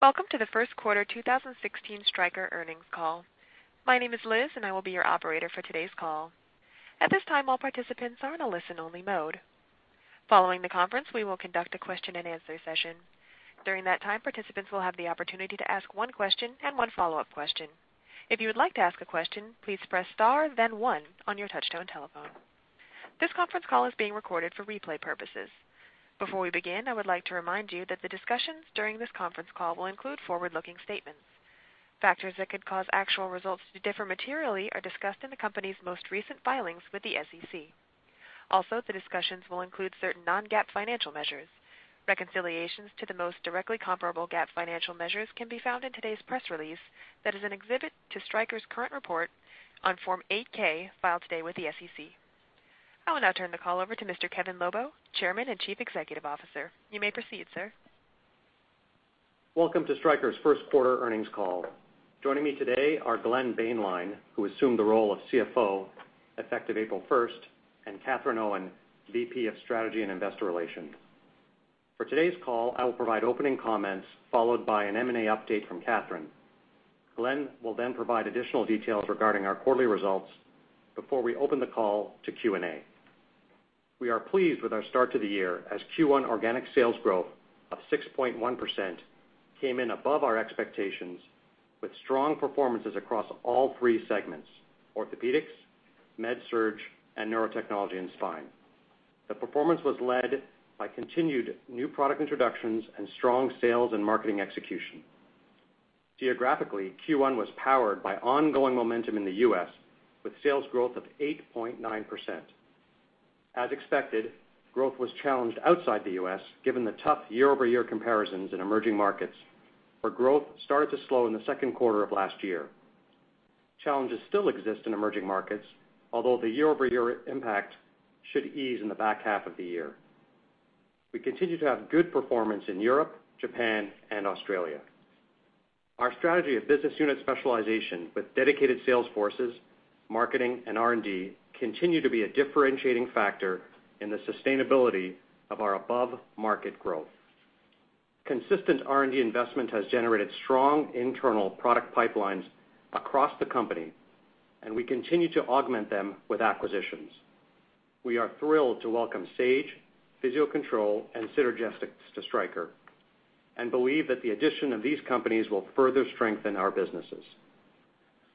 Welcome to the first quarter 2016 Stryker earnings call. My name is Liz, and I will be your operator for today's call. At this time, all participants are in a listen-only mode. Following the conference, we will conduct a question-and-answer session. During that time, participants will have the opportunity to ask one question and one follow-up question. If you would like to ask a question, please press star then one on your touch-tone telephone. This conference call is being recorded for replay purposes. Before we begin, I would like to remind you that the discussions during this conference call will include forward-looking statements. Factors that could cause actual results to differ materially are discussed in the company's most recent filings with the SEC. Also, the discussions will include certain non-GAAP financial measures. Reconciliations to the most directly comparable GAAP financial measures can be found in today's press release that is an exhibit to Stryker's current report on Form 8-K filed today with the SEC. I will now turn the call over to Mr. Kevin Lobo, Chairman and Chief Executive Officer. You may proceed, sir. Welcome to Stryker's first quarter earnings call. Joining me today are Glenn Boehnlein, who assumed the role of CFO effective April 1st, and Katherine Owen, VP of Strategy and Investor Relations. For today's call, I will provide opening comments followed by an M&A update from Katherine. Glenn will then provide additional details regarding our quarterly results before we open the call to Q&A. We are pleased with our start to the year as Q1 organic sales growth of 6.1% came in above our expectations with strong performances across all three segments: Orthopaedics, MedSurg, and Neurotechnology and Spine. The performance was led by continued new product introductions and strong sales and marketing execution. Geographically, Q1 was powered by ongoing momentum in the U.S., with sales growth of 8.9%. As expected, growth was challenged outside the U.S. given the tough year-over-year comparisons in emerging markets where growth started to slow in the second quarter of last year. Challenges still exist in emerging markets, although the year-over-year impact should ease in the back half of the year. We continue to have good performance in Europe, Japan, and Australia. Our strategy of business unit specialization with dedicated sales forces, marketing, and R&D continue to be a differentiating factor in the sustainability of our above-market growth. Consistent R&D investment has generated strong internal product pipelines across the company, and we continue to augment them with acquisitions. We are thrilled to welcome Sage, Physio-Control, and Synergetics to Stryker and believe that the addition of these companies will further strengthen our businesses.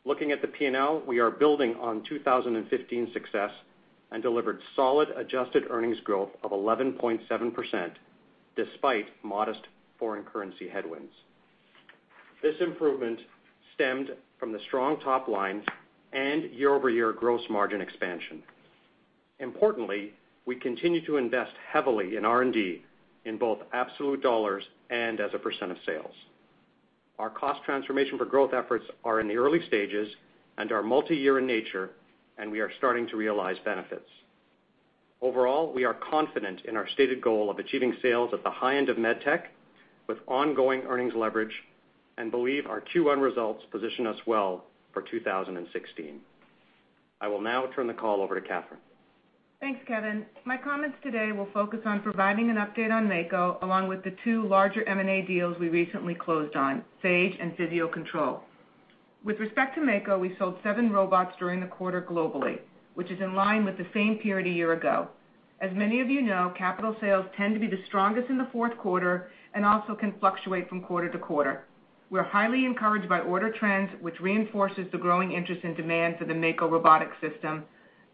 Looking at the P&L, we are building on 2015 success and delivered solid adjusted earnings growth of 11.7%, despite modest foreign currency headwinds. This improvement stemmed from the strong top line and year-over-year gross margin expansion. Importantly, we continue to invest heavily in R&D in both absolute dollars and as a percent of sales. Our cost transformation for growth efforts are in the early stages and are multiyear in nature, and we are starting to realize benefits. Overall, we are confident in our stated goal of achieving sales at the high end of med tech with ongoing earnings leverage and believe our Q1 results position us well for 2016. I will now turn the call over to Katherine. Thanks, Kevin. My comments today will focus on providing an update on Mako, along with the two larger M&A deals we recently closed on, Sage and Physio-Control. With respect to Mako, we sold seven robots during the quarter globally, which is in line with the same period a year ago. As many of you know, capital sales tend to be the strongest in the fourth quarter and also can fluctuate from quarter to quarter. We're highly encouraged by order trends, which reinforces the growing interest and demand for the Mako robotic system,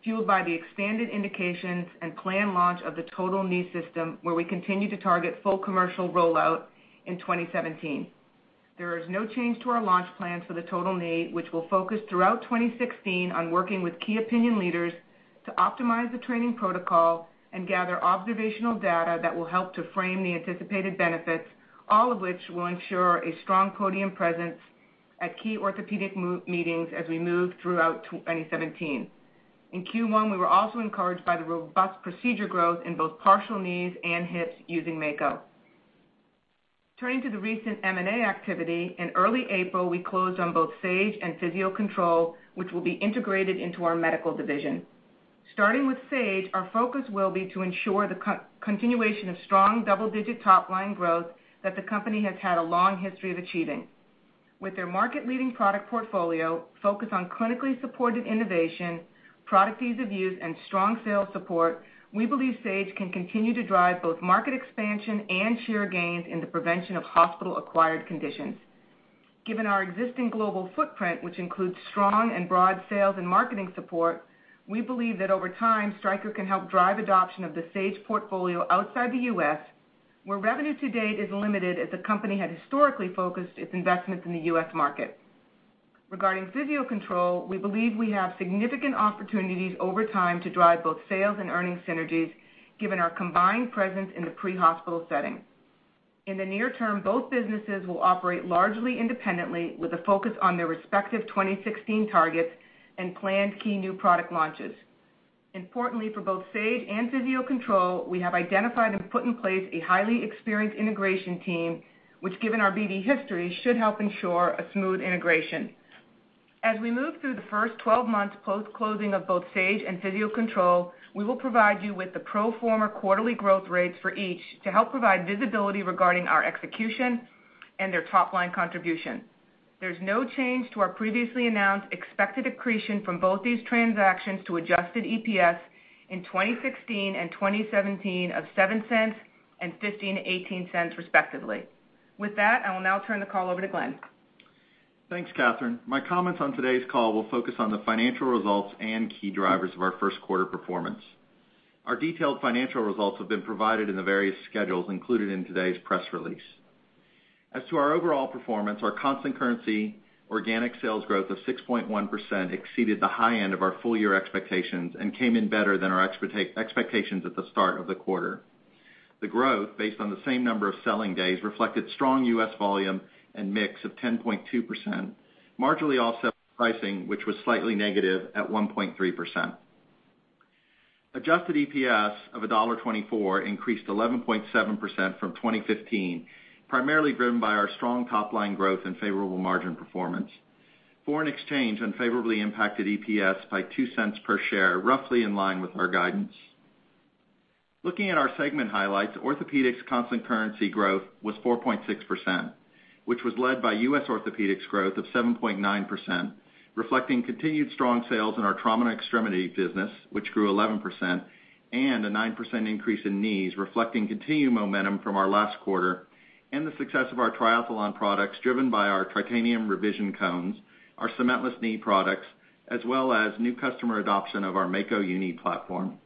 fueled by the expanded indications and planned launch of the total knee system, where we continue to target full commercial rollout in 2017. There is no change to our launch plans for the total knee, which will focus throughout 2016 on working with key opinion leaders to optimize the training protocol and gather observational data that will help to frame the anticipated benefits, all of which will ensure a strong podium presence at key orthopedic meetings as we move throughout 2017. In Q1, we were also encouraged by the robust procedure growth in both partial knees and hips using Mako. Turning to the recent M&A activity, in early April, we closed on both Sage and Physio-Control, which will be integrated into our MedSurg division. Starting with Sage, our focus will be to ensure the continuation of strong double-digit top-line growth that the company has had a long history of achieving. With their market-leading product portfolio focused on clinically supported innovation, product ease of use, and strong sales support, we believe Sage can continue to drive both market expansion and share gains in the prevention of hospital-acquired conditions. Given our existing global footprint, which includes strong and broad sales and marketing support, we believe that over time, Stryker can help drive adoption of the Sage portfolio outside the U.S., where revenue to date is limited as the company had historically focused its investments in the U.S. market. Regarding Physio-Control, we believe we have significant opportunities over time to drive both sales and earnings synergies given our combined presence in the pre-hospital setting. In the near term, both businesses will operate largely independently with a focus on their respective 2016 targets and planned key new product launches. Importantly, for both Sage and Physio-Control, we have identified and put in place a highly experienced integration team, which given our BD history, should help ensure a smooth integration. As we move through the first 12 months post-closing of both Sage and Physio-Control, we will provide you with the pro forma quarterly growth rates for each to help provide visibility regarding our execution and their top-line contribution. There's no change to our previously announced expected accretion from both these transactions to adjusted EPS in 2016 and 2017 of $0.07 and $0.15-$0.18, respectively. With that, I will now turn the call over to Glenn. Thanks, Katherine. My comments on today's call will focus on the financial results and key drivers of our first quarter performance. Our detailed financial results have been provided in the various schedules included in today's press release. As to our overall performance, our constant currency organic sales growth of 6.1% exceeded the high end of our full year expectations and came in better than our expectations at the start of the quarter. The growth, based on the same number of selling days, reflected strong U.S. volume and mix of 10.2%, marginally offset by pricing, which was slightly negative at 1.3%. Adjusted EPS of $1.24 increased 11.7% from 2015, primarily driven by our strong top-line growth and favorable margin performance. Foreign exchange unfavorably impacted EPS by $0.02 per share, roughly in line with our guidance. Looking at our segment highlights, Orthopaedics constant currency growth was 4.6%, which was led by U.S. Orthopaedics growth of 7.9%, reflecting continued strong sales in our Trauma & Extremity business, which grew 11%, and a 9% increase in knees, reflecting continued momentum from our last quarter, and the success of our Triathlon products, driven by our titanium revision cones, our cementless knee products, as well as new customer adoption of our Mako Uni platform.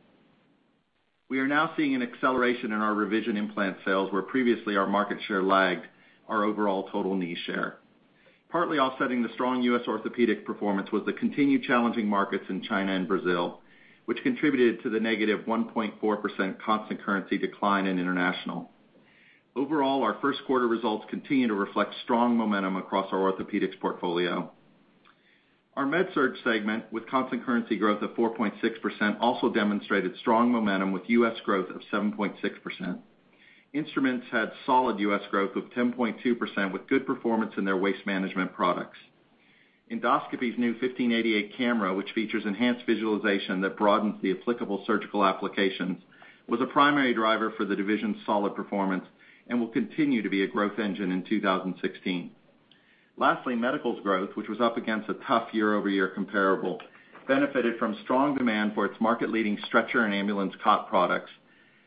We are now seeing an acceleration in our revision implant sales, where previously our market share lagged our overall total knee share. Partly offsetting the strong U.S. Orthopaedic performance was the continued challenging markets in China and Brazil, which contributed to the negative 1.4% constant currency decline in international. Overall, our first quarter results continue to reflect strong momentum across our Orthopaedics portfolio. Our MedSurg segment, with constant currency growth of 4.6%, also demonstrated strong momentum with U.S. growth of 7.6%. Instruments had solid U.S. growth of 10.2% with good performance in their waste management products. Endoscopy's new 1588 camera, which features enhanced visualization that broadens the applicable surgical applications, was a primary driver for the division's solid performance and will continue to be a growth engine in 2016. Medical's growth, which was up against a tough year-over-year comparable, benefited from strong demand for its market-leading stretcher and ambulance cot products,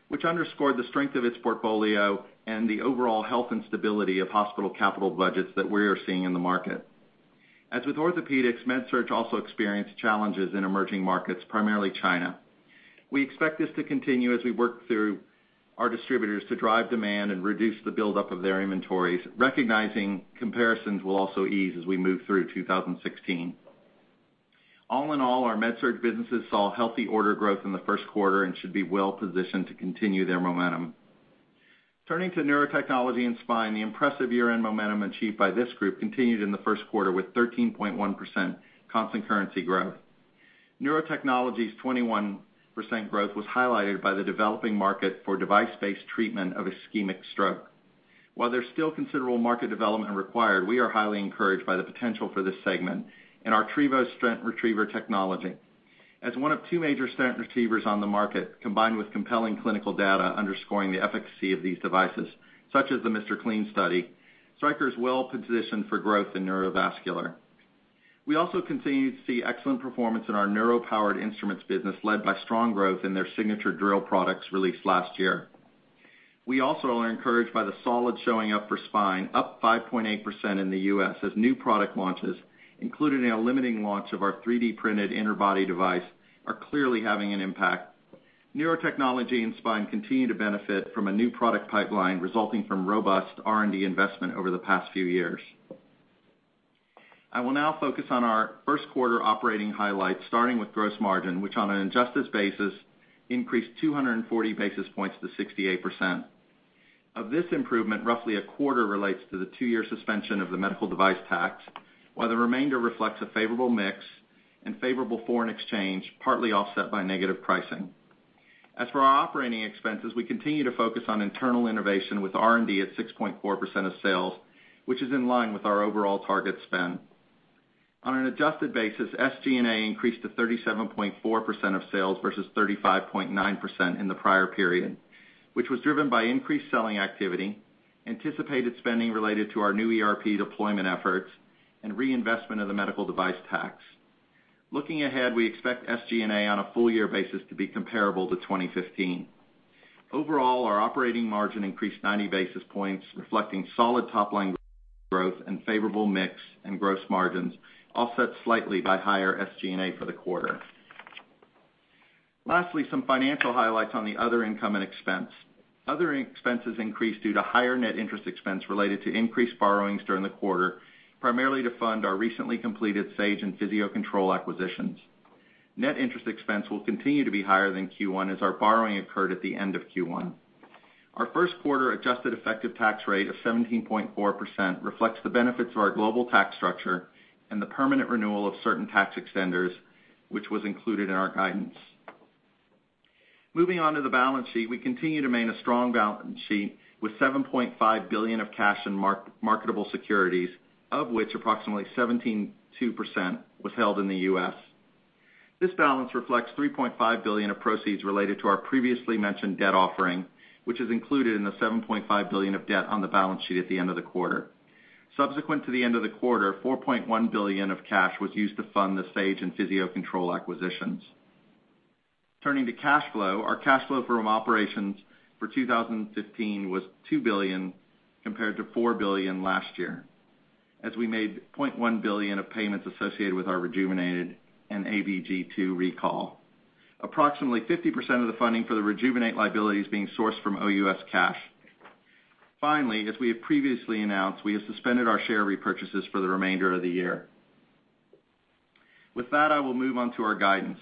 which underscored the strength of its portfolio and the overall health and stability of hospital capital budgets that we are seeing in the market. As with Orthopaedics, MedSurg also experienced challenges in emerging markets, primarily China. We expect this to continue as we work through our distributors to drive demand and reduce the buildup of their inventories, recognizing comparisons will also ease as we move through 2016. All in all, our MedSurg businesses saw healthy order growth in the first quarter and should be well positioned to continue their momentum. Turning to Neurotechnology and Spine, the impressive year-end momentum achieved by this group continued in the first quarter, with 13.1% constant currency growth. Neurotechnology's 21% growth was highlighted by the developing market for device-based treatment of ischemic stroke. While there's still considerable market development required, we are highly encouraged by the potential for this segment and our Trevo stent retriever technology. As one of two major stent retrievers on the market, combined with compelling clinical data underscoring the efficacy of these devices, such as the MR CLEAN study, Stryker is well positioned for growth in neurovascular. We also continue to see excellent performance in our neuro-powered instruments business, led by strong growth in their Signature drill products released last year. We also are encouraged by the solid showing up for Spine, up 5.8% in the U.S., as new product launches, including a limiting launch of our 3D printed interbody device, are clearly having an impact. Neurotechnology and Spine continue to benefit from a new product pipeline resulting from robust R&D investment over the past few years. I will now focus on our first quarter operating highlights, starting with gross margin, which on an adjusted basis increased 240 basis points to 68%. Of this improvement, roughly a quarter relates to the two-year suspension of the medical device tax, while the remainder reflects a favorable mix and favorable foreign exchange, partly offset by negative pricing. As for our operating expenses, we continue to focus on internal innovation with R&D at 6.4% of sales, which is in line with our overall target spend. On an adjusted basis, SG&A increased to 37.4% of sales versus 35.9% in the prior period, which was driven by increased selling activity, anticipated spending related to our new ERP deployment efforts, and reinvestment of the medical device tax. Looking ahead, we expect SG&A on a full year basis to be comparable to 2015. Overall, our operating margin increased 90 basis points, reflecting solid top-line growth and favorable mix and gross margins, offset slightly by higher SG&A for the quarter. Lastly, some financial highlights on the other income and expense. Other expenses increased due to higher net interest expense related to increased borrowings during the quarter, primarily to fund our recently completed Sage and Physio-Control acquisitions. Net interest expense will continue to be higher than Q1 as our borrowing occurred at the end of Q1. Our first quarter adjusted effective tax rate of 17.4% reflects the benefits of our global tax structure and the permanent renewal of certain tax extenders, which was included in our guidance. Moving on to the balance sheet, we continue to maintain a strong balance sheet with $7.5 billion of cash and marketable securities, of which approximately 72% was held in the U.S. This balance reflects $3.5 billion of proceeds related to our previously mentioned debt offering, which is included in the $7.5 billion of debt on the balance sheet at the end of the quarter. Subsequent to the end of the quarter, $4.1 billion of cash was used to fund the Sage and Physio-Control acquisitions. Turning to cash flow, our cash flow from operations for 2015 was $2 billion compared to $4 billion last year, as we made $0.1 billion of payments associated with our Rejuvenate and ABG II recall. Approximately 50% of the funding for the Rejuvenate liability is being sourced from OUS cash. Finally, as we have previously announced, we have suspended our share repurchases for the remainder of the year. With that, I will move on to our guidance.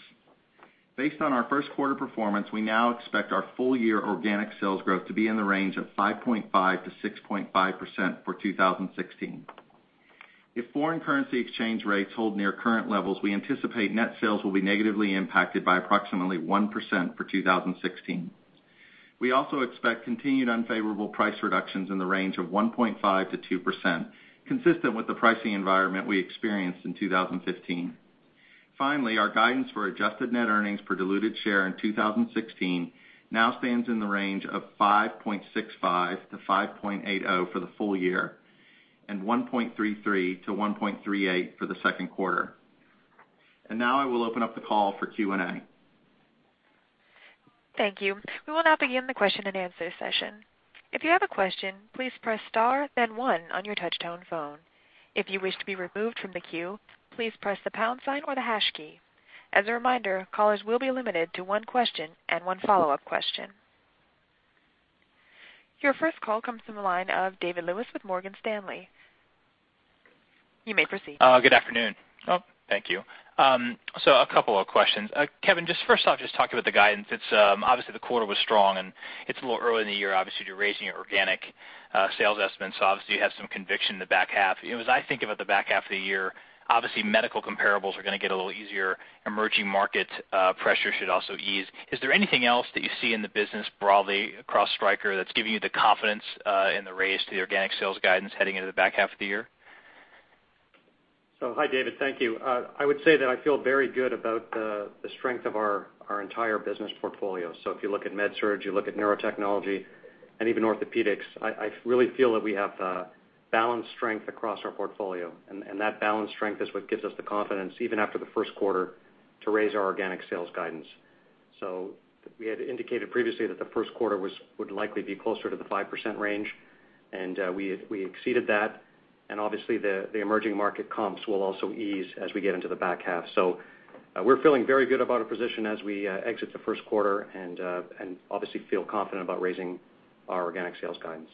Based on our first quarter performance, we now expect our full-year organic sales growth to be in the range of 5.5%-6.5% for 2016. If foreign currency exchange rates hold near current levels, we anticipate net sales will be negatively impacted by approximately 1% for 2016. We also expect continued unfavorable price reductions in the range of 1.5%-2%, consistent with the pricing environment we experienced in 2015. Finally, our guidance for adjusted net earnings per diluted share in 2016 now stands in the range of $5.65-$5.80 for the full year, and $1.33-$1.38 for the second quarter. Now I will open up the call for Q&A. Thank you. We will now begin the question and answer session. If you have a question, please press star then one on your touch-tone phone. If you wish to be removed from the queue, please press the pound sign or the hash key. As a reminder, callers will be limited to one question and one follow-up question. Your first call comes from the line of David Lewis with Morgan Stanley. You may proceed. Good afternoon. Thank you. A couple of questions. Kevin, just first off, just talk about the guidance. Obviously the quarter was strong and it's a little early in the year, obviously, you're raising your organic sales estimates, so obviously you have some conviction in the back half. As I think about the back half of the year, obviously medical comparables are going to get a little easier. Emerging market pressure should also ease. Is there anything else that you see in the business broadly across Stryker that's giving you the confidence in the raise to the organic sales guidance heading into the back half of the year? Hi David. Thank you. I would say that I feel very good about the strength of our entire business portfolio. If you look at MedSurg, you look at Neurotechnology and even Orthopaedics, I really feel that we have a balanced strength across our portfolio, and that balanced strength is what gives us the confidence, even after the first quarter, to raise our organic sales guidance. We had indicated previously that the first quarter would likely be closer to the 5% range, and we exceeded that, obviously the emerging market comps will also ease as we get into the back half. We're feeling very good about our position as we exit the first quarter and obviously feel confident about raising our organic sales guidance.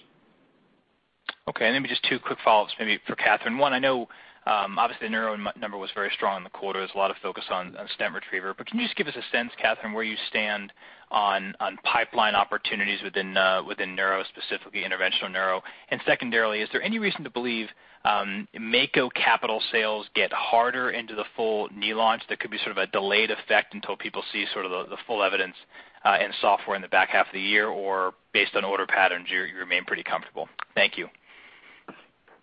Maybe just two quick follow-ups maybe for Katherine. One, I know obviously the neuro number was very strong in the quarter. There's a lot of focus on stent retriever. Can you just give us a sense, Katherine, where you stand on pipeline opportunities within neuro, specifically interventional neuro? Secondarily, is there any reason to believe Mako capital sales get harder into the full knee launch that could be sort of a delayed effect until people see sort of the full evidence and software in the back half of the year, or based on order patterns, you remain pretty comfortable? Thank you.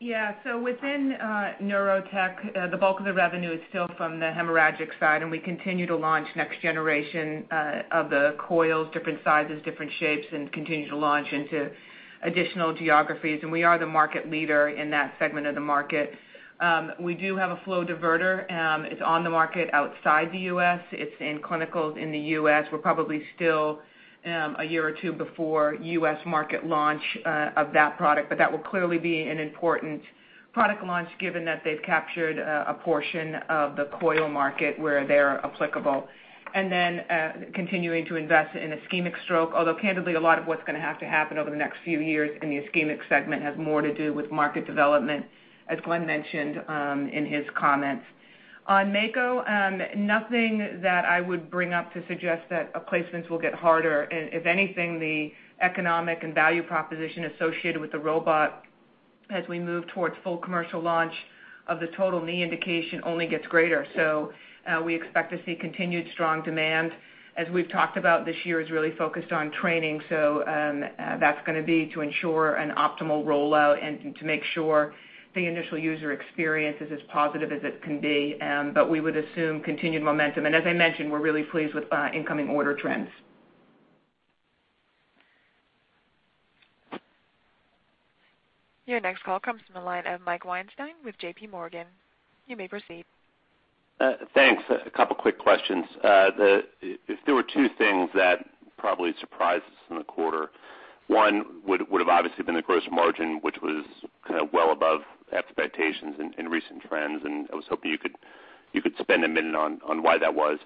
Within Neurotech, the bulk of the revenue is still from the hemorrhagic side. We continue to launch next generation of the coils, different sizes, different shapes, continue to launch into additional geographies. We are the market leader in that segment of the market. We do have a flow diverter. It's on the market outside the U.S. It's in clinicals in the U.S. We're probably still a year or two before U.S. market launch of that product, but that will clearly be an important product launch given that they've captured a portion of the coil market where they're applicable. Then continuing to invest in ischemic stroke, although candidly, a lot of what's going to have to happen over the next few years in the ischemic segment has more to do with market development, as Glenn mentioned in his comments. On Mako, nothing that I would bring up to suggest that placements will get harder. If anything, the economic and value proposition associated with the robot as we move towards full commercial launch of the total knee indication only gets greater. We expect to see continued strong demand. As we've talked about, this year is really focused on training, that's going to be to ensure an optimal rollout and to make sure the initial user experience is as positive as it can be. We would assume continued momentum. As I mentioned, we're really pleased with incoming order trends. Your next call comes from the line of Mike Weinstein with J.P. Morgan. You may proceed. Thanks. A couple quick questions. If there were two things that probably surprised us in the quarter, one would have obviously been the gross margin, which was kind of well above expectations in recent trends, and I was hoping you could spend a minute on why that was.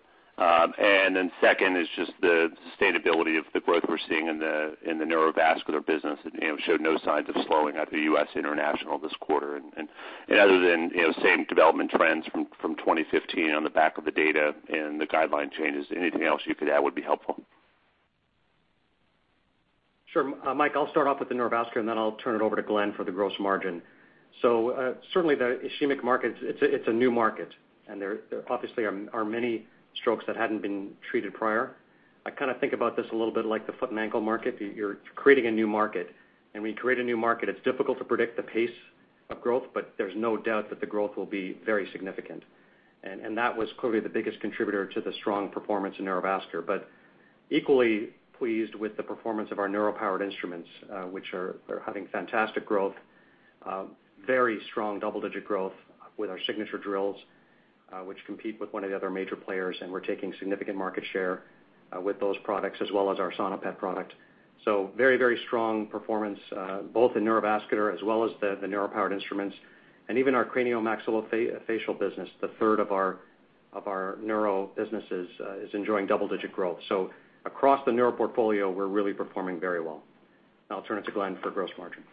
Second is just the sustainability of the growth we're seeing in the neurovascular business. It showed no signs of slowing at the U.S. international this quarter. Other than same development trends from 2015 on the back of the data and the guideline changes, anything else you could add would be helpful. Sure. Mike, I'll start off with the neurovascular, and then I'll turn it over to Glenn for the gross margin. Certainly the ischemic market, it's a new market, and there obviously are many strokes that hadn't been treated prior. I think about this a little bit like the foot and ankle market. You're creating a new market, and when you create a new market, it's difficult to predict the pace of growth, but there's no doubt that the growth will be very significant. That was clearly the biggest contributor to the strong performance in neurovascular. Equally pleased with the performance of our neuro-powered instruments, which are having fantastic growth. Very strong double-digit growth with our Signature drills, which compete with one of the other major players, and we're taking significant market share with those products as well as our Sonopet product. Very strong performance both in neurovascular as well as the neuro-powered instruments. Even our Craniomaxillofacial business, the third of our neuro businesses is enjoying double-digit growth. Across the neuro portfolio, we're really performing very well. I'll turn it to Glenn for gross margin.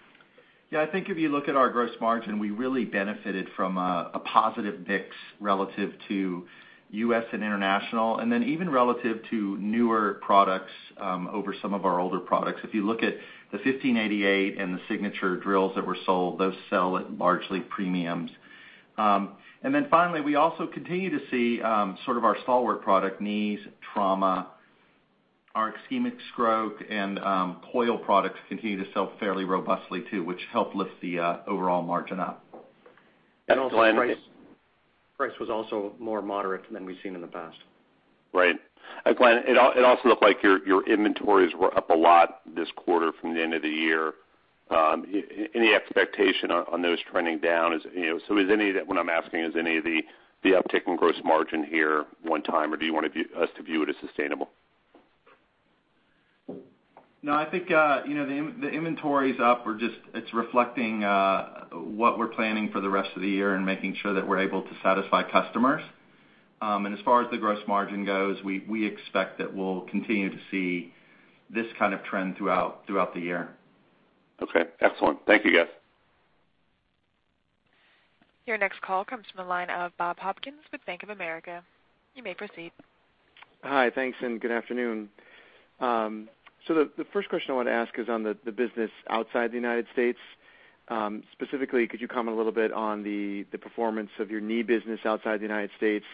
Yeah, I think if you look at our gross margin, we really benefited from a positive mix relative to U.S. and international, then even relative to newer products over some of our older products. If you look at the 1588 and the Signature drills that were sold, those sell at largely premiums. Then finally, we also continue to see sort of our stalwart product, knees, trauma, our ischemic stroke, and coil products continue to sell fairly robustly too, which help lift the overall margin up. Also price was also more moderate than we've seen in the past. Right. Glenn, it also looked like your inventories were up a lot this quarter from the end of the year. Any expectation on those trending down? What I'm asking is any of the uptick in gross margin here one-time, or do you want us to view it as sustainable? No, I think the inventory's up. It's reflecting what we're planning for the rest of the year and making sure that we're able to satisfy customers. As far as the gross margin goes, we expect that we'll continue to see this kind of trend throughout the year. Okay, excellent. Thank you guys. Your next call comes from the line of Bob Hopkins with Bank of America. You may proceed. Hi, thanks, and good afternoon. The first question I want to ask is on the business outside the United States. Specifically, could you comment a little bit on the performance of your knee business outside the United States,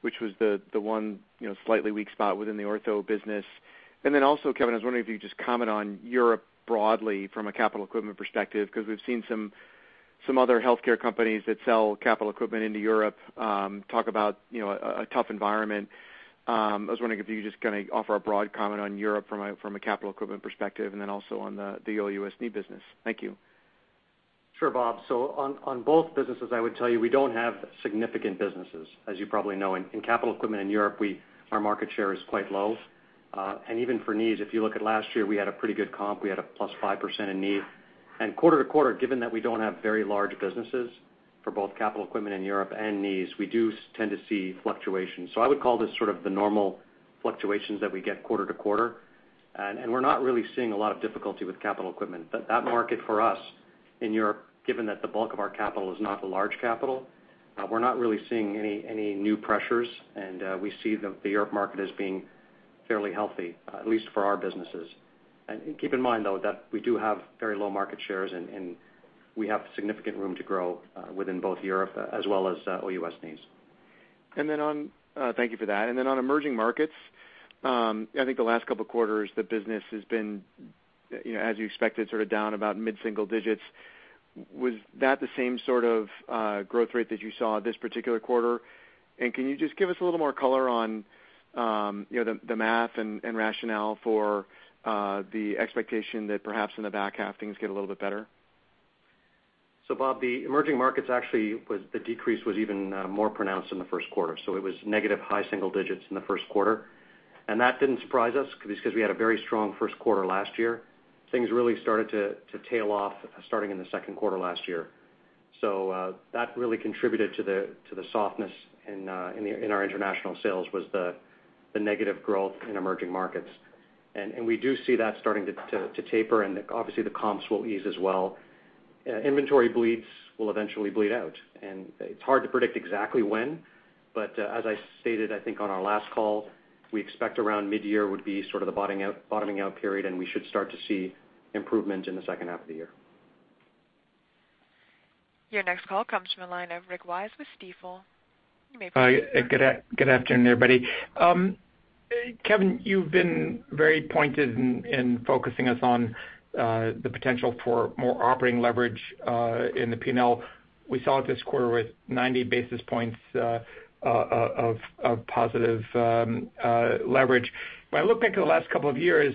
which was the one slightly weak spot within the ortho business. Also, Kevin, I was wondering if you could just comment on Europe broadly from a capital equipment perspective, because we've seen some other healthcare companies that sell capital equipment into Europe talk about a tough environment. I was wondering if you could just kind of offer a broad comment on Europe from a capital equipment perspective and then also on the OUS knee business. Thank you. Sure, Bob. On both businesses, I would tell you we don't have significant businesses, as you probably know. In capital equipment in Europe, our market share is quite low. Even for knees, if you look at last year, we had a pretty good comp. We had a +5% in knee. Quarter-to-quarter, given that we don't have very large businesses for both capital equipment in Europe and knees, we do tend to see fluctuations. I would call this sort of the normal fluctuations that we get quarter-to-quarter. We're not really seeing a lot of difficulty with capital equipment. That market for us in Europe, given that the bulk of our capital is not the large capital, we're not really seeing any new pressures, and we see the Europe market as being fairly healthy, at least for our businesses. Keep in mind, though, that we do have very low market shares, and we have significant room to grow within both Europe as well as OUS knees. Thank you for that. On emerging markets, I think the last couple of quarters, the business has been, as you expected, sort of down about mid-single digits. Was that the same sort of growth rate that you saw this particular quarter? Can you just give us a little more color on the math and rationale for the expectation that perhaps in the back half things get a little bit better? Bob, the emerging markets actually the decrease was even more pronounced in the first quarter. It was negative high single digits in the first quarter. That didn't surprise us because we had a very strong first quarter last year. Things really started to tail off starting in the second quarter last year. That really contributed to the softness in our international sales was the negative growth in emerging markets. We do see that starting to taper, and obviously the comps will ease as well. Inventory bleeds will eventually bleed out, and it's hard to predict exactly when. As I stated, I think on our last call, we expect around mid-year would be sort of the bottoming out period, and we should start to see improvement in the second half of the year. Your next call comes from the line of Rick Wise with Stifel. You may proceed. Hi, good afternoon, everybody. Kevin, you've been very pointed in focusing us on the potential for more operating leverage in the P&L. We saw it this quarter with 90 basis points of positive leverage. When I look back at the last couple of years,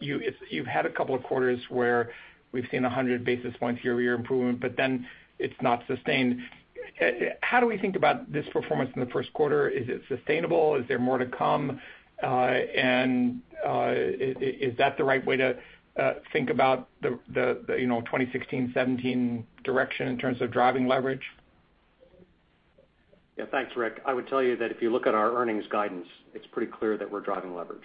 you've had a couple of quarters where we've seen 100 basis points year-over-year improvement. It's not sustained. How do we think about this performance in the first quarter? Is it sustainable? Is there more to come? Is that the right way to think about the 2016-17 direction in terms of driving leverage? Yeah. Thanks, Rick. I would tell you that if you look at our earnings guidance, it's pretty clear that we're driving leverage.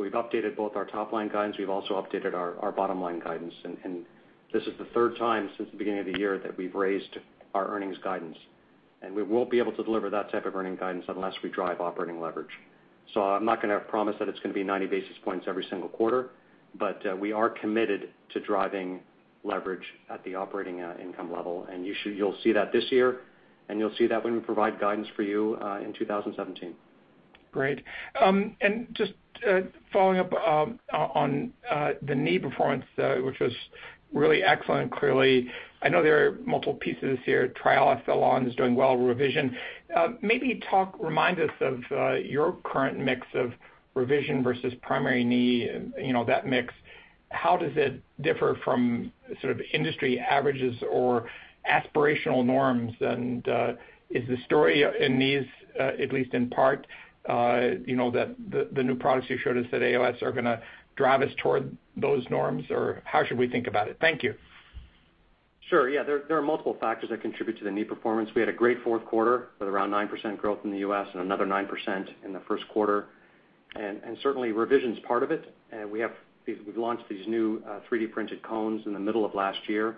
We've updated both our top-line guidance. We've also updated our bottom-line guidance. This is the third time since the beginning of the year that we've raised our earnings guidance. We won't be able to deliver that type of earning guidance unless we drive operating leverage. I'm not going to promise that it's going to be 90 basis points every single quarter. We are committed to driving leverage at the operating income level, and you'll see that this year, and you'll see that when we provide guidance for you in 2017. Great. Just following up on the knee performance, which was really excellent, clearly, I know there are multiple pieces here. Triathlon, sell-on is doing well with revision. Maybe remind us of your current mix of revision versus primary knee, that mix. How does it differ from sort of industry averages or aspirational norms? Is the story in these, at least in part, that the new products you showed us at AAOS are going to drive us toward those norms? Or how should we think about it? Thank you. Sure. Yeah, there are multiple factors that contribute to the knee performance. We had a great fourth quarter with around 9% growth in the U.S. and another 9% in the first quarter. Certainly revision's part of it. We've launched these new 3D-printed cones in the middle of last year.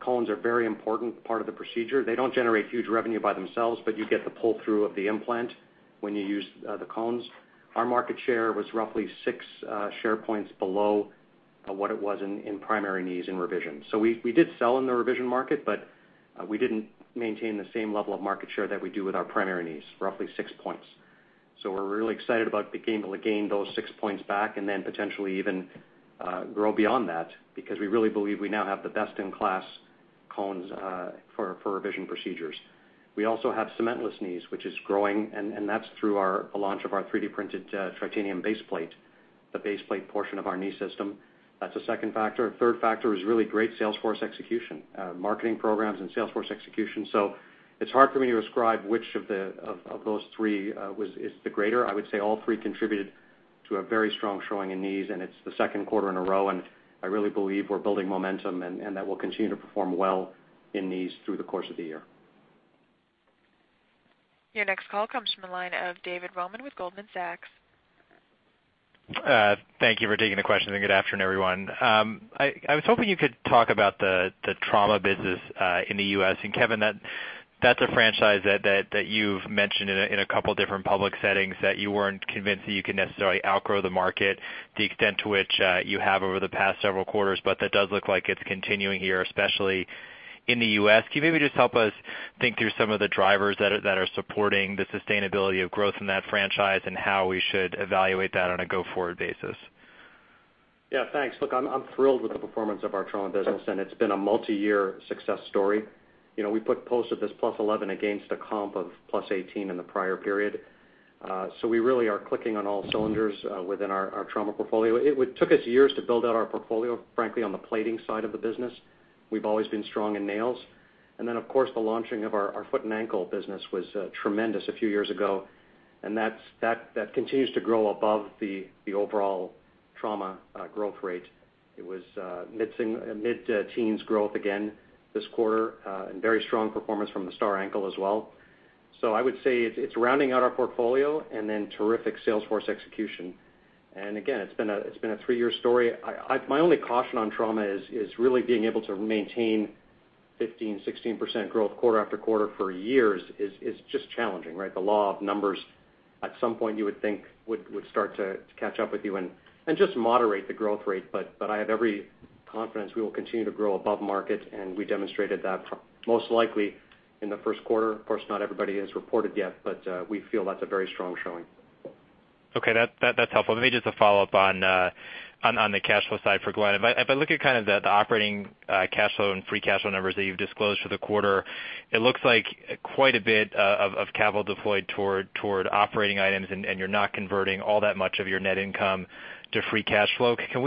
Cones are a very important part of the procedure. They don't generate huge revenue by themselves, but you get the pull-through of the implant when you use the cones. Our market share was roughly six share points below what it was in primary knees in revision. We did sell in the revision market, but we didn't maintain the same level of market share that we do with our primary knees, roughly six points. We're really excited about being able to gain those six points back and then potentially even grow beyond that, because we really believe we now have the best-in-class cones for revision procedures. We also have cementless knees, which is growing, and that's through our launch of our 3D-printed titanium base plate, the base plate portion of our knee system. That's a second factor. A third factor is really great sales force execution. Marketing programs and sales force execution. It's hard for me to ascribe which of those three is the greater. I would say all three contributed to a very strong showing in knees, and it's the second quarter in a row, and I really believe we're building momentum, and that will continue to perform well in knees through the course of the year. Your next call comes from the line of David Roman with Goldman Sachs. Thank you for taking the question and good afternoon, everyone. I was hoping you could talk about the trauma business in the U.S. Kevin, that's a franchise that you've mentioned in a couple of different public settings that you weren't convinced that you could necessarily outgrow the market the extent to which you have over the past several quarters, but that does look like it's continuing here, especially in the U.S. Can you maybe just help us think through some of the drivers that are supporting the sustainability of growth in that franchise and how we should evaluate that on a go-forward basis? Yeah, thanks. Look, I'm thrilled with the performance of our trauma business, and it's been a multi-year success story. We posted this +11 against a comp of +18 in the prior period. We really are clicking on all cylinders within our trauma portfolio. It took us years to build out our portfolio, frankly, on the plating side of the business. We've always been strong in nails. Then, of course, the launching of our foot and ankle business was tremendous a few years ago, and that continues to grow above the overall trauma growth rate. It was mid-teens growth again this quarter, and very strong performance from the STAR Ankle as well. I would say it's rounding out our portfolio and then terrific sales force execution. Again, it's been a three-year story. My only caution on trauma is really being able to maintain 15%-16% growth quarter after quarter for years is just challenging, right? The law of numbers, at some point, you would think would start to catch up with you and just moderate the growth rate. I have every confidence we will continue to grow above market, and we demonstrated that most likely in the first quarter. Of course, not everybody has reported yet, we feel that's a very strong showing. Okay. That's helpful. Let me just a follow-up on the cash flow side for Glenn. If I look at kind of the operating cash flow and free cash flow numbers that you've disclosed for the quarter, it looks like quite a bit of capital deployed toward operating items, and you're not converting all that much of your net income to free cash flow. Are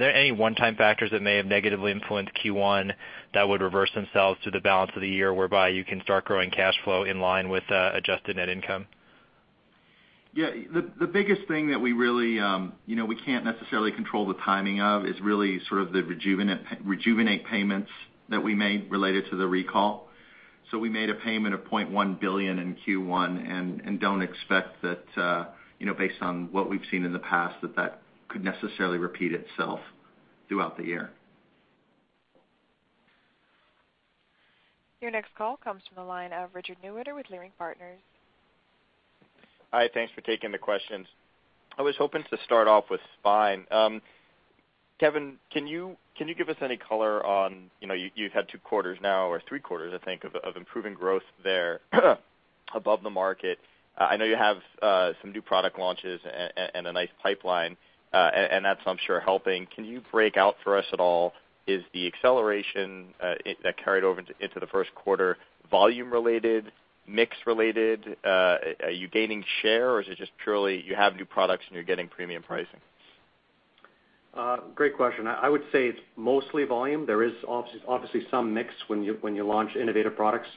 there any one-time factors that may have negatively influenced Q1 that would reverse themselves to the balance of the year whereby you can start growing cash flow in line with adjusted net income? Yeah. The biggest thing that we can't necessarily control the timing of is really sort of the Rejuvenate payments that we made related to the recall. We made a payment of $0.1 billion in Q1 and don't expect that, based on what we've seen in the past, that that could necessarily repeat itself throughout the year. Your next call comes from the line of Richard Newitter with Leerink Partners. Hi, thanks for taking the questions. I was hoping to start off with Spine. Kevin, can you give us any color on, you've had two quarters now, or three quarters, I think, of improving growth there above the market. I know you have some new product launches and a nice pipeline, and that's, I'm sure, helping. Can you break out for us at all, is the acceleration that carried over into the first quarter volume related, mix related? Are you gaining share, or is it just purely you have new products and you're getting premium pricing? Great question. I would say it's mostly volume. There is obviously some mix when you launch innovative products.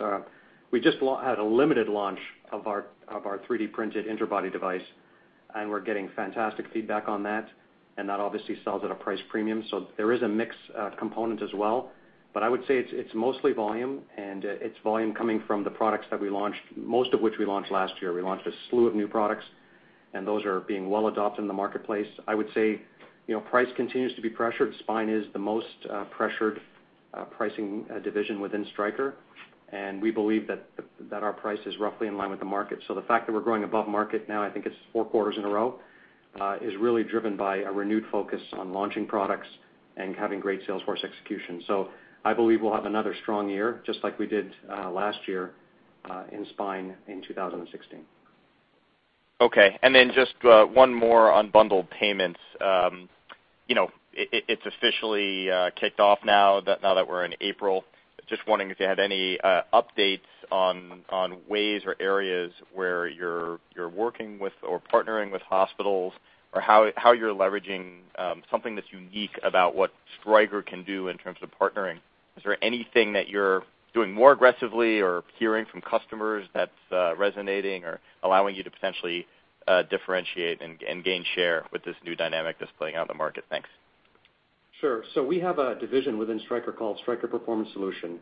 We just had a limited launch of our 3D-printed interbody device, and we're getting fantastic feedback on that, and that obviously sells at a price premium. There is a mix component as well. I would say it's mostly volume, and it's volume coming from the products that we launched, most of which we launched last year. We launched a slew of new products. Those are being well adopted in the marketplace. I would say price continues to be pressured. Spine is the most pressured pricing division within Stryker, and we believe that our price is roughly in line with the market. The fact that we're growing above market now, I think it's four quarters in a row, is really driven by a renewed focus on launching products and having great sales force execution. I believe we'll have another strong year, just like we did last year in spine in 2016. Okay. Just one more on bundled payments. It's officially kicked off now that we're in April. Just wondering if you had any updates on ways or areas where you're working with or partnering with hospitals, or how you're leveraging something that's unique about what Stryker can do in terms of partnering. Is there anything that you're doing more aggressively or hearing from customers that's resonating or allowing you to potentially differentiate and gain share with this new dynamic that's playing out in the market? Thanks. Sure. We have a division within Stryker called Stryker Performance Solutions,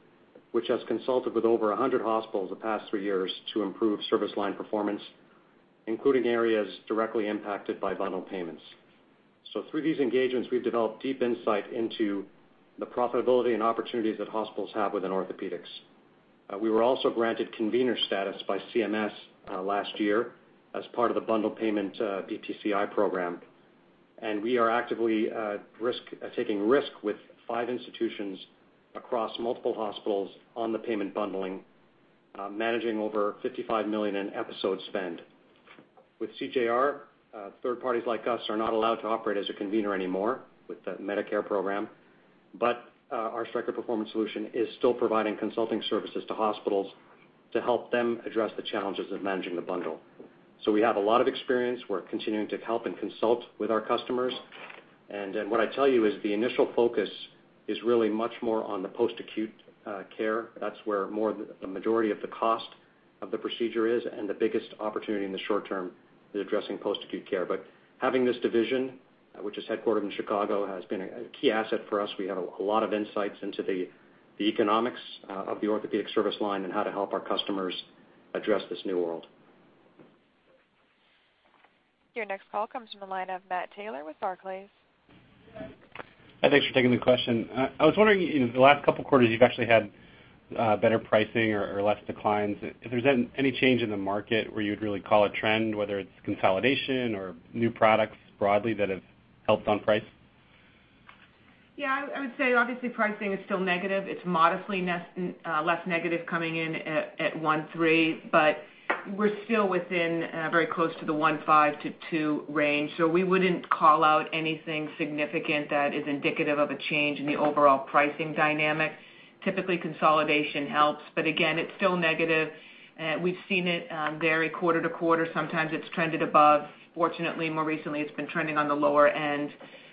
which has consulted with over 100 hospitals the past three years to improve service line performance, including areas directly impacted by bundled payments. Through these engagements, we've developed deep insight into the profitability and opportunities that hospitals have within Orthopaedics. We were also granted convener status by CMS last year as part of the bundled payment BPCI program, and we are actively taking risk with five institutions across multiple hospitals on the payment bundling, managing over $55 million in episode spend. With CJR, third parties like us are not allowed to operate as a convener anymore with the Medicare program. Our Stryker Performance Solutions is still providing consulting services to hospitals to help them address the challenges of managing the bundle. We have a lot of experience. We're continuing to help and consult with our customers. What I'd tell you is the initial focus is really much more on the post-acute care. That's where more the majority of the cost of the procedure is, and the biggest opportunity in the short term is addressing post-acute care. Having this division, which is headquartered in Chicago, has been a key asset for us. We have a lot of insights into the economics of the Orthopaedic service line and how to help our customers address this new world. Your next call comes from the line of Matt Taylor with Barclays. Thanks for taking the question. I was wondering, in the last couple of quarters, you've actually had better pricing or less declines. If there's any change in the market where you'd really call a trend, whether it's consolidation or new products broadly that have helped on price? Yeah, I would say, obviously, pricing is still negative. It's modestly less negative coming in at 1.3, but we're still within very close to the 1.5 to 2 range. We wouldn't call out anything significant that is indicative of a change in the overall pricing dynamic. Typically, consolidation helps, but again, it's still negative. We've seen it vary quarter to quarter. Sometimes it's trended above. Fortunately, more recently, it's been trending on the lower end.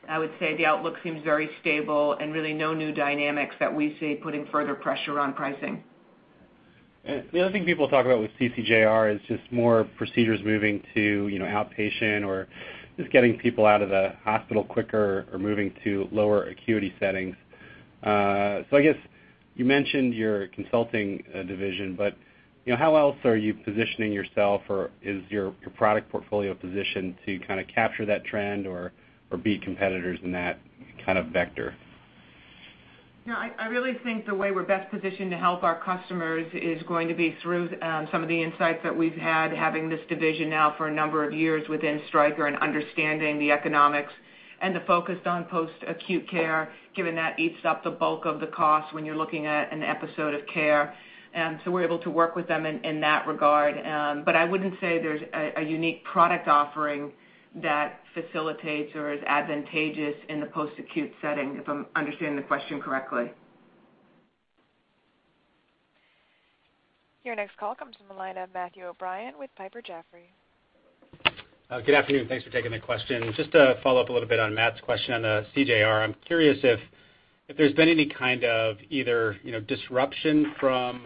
I would say the outlook seems very stable and really no new dynamics that we see putting further pressure on pricing. The other thing people talk about with CJR is just more procedures moving to outpatient or just getting people out of the hospital quicker or moving to lower acuity settings. I guess you mentioned your consulting division, but how else are you positioning yourself, or is your product portfolio positioned to kind of capture that trend or beat competitors in that kind of vector? No, I really think the way we're best positioned to help our customers is going to be through some of the insights that we've had, having this division now for a number of years within Stryker and understanding the economics and the focus on post-acute care, given that eats up the bulk of the cost when you're looking at an episode of care. We're able to work with them in that regard. I wouldn't say there's a unique product offering that facilitates or is advantageous in the post-acute setting, if I'm understanding the question correctly. Your next call comes from the line of Matthew O'Brien with Piper Jaffray. Good afternoon. Thanks for taking the question. Just to follow up a little bit on Matt's question on CJR. I'm curious if there's been any kind of either disruption from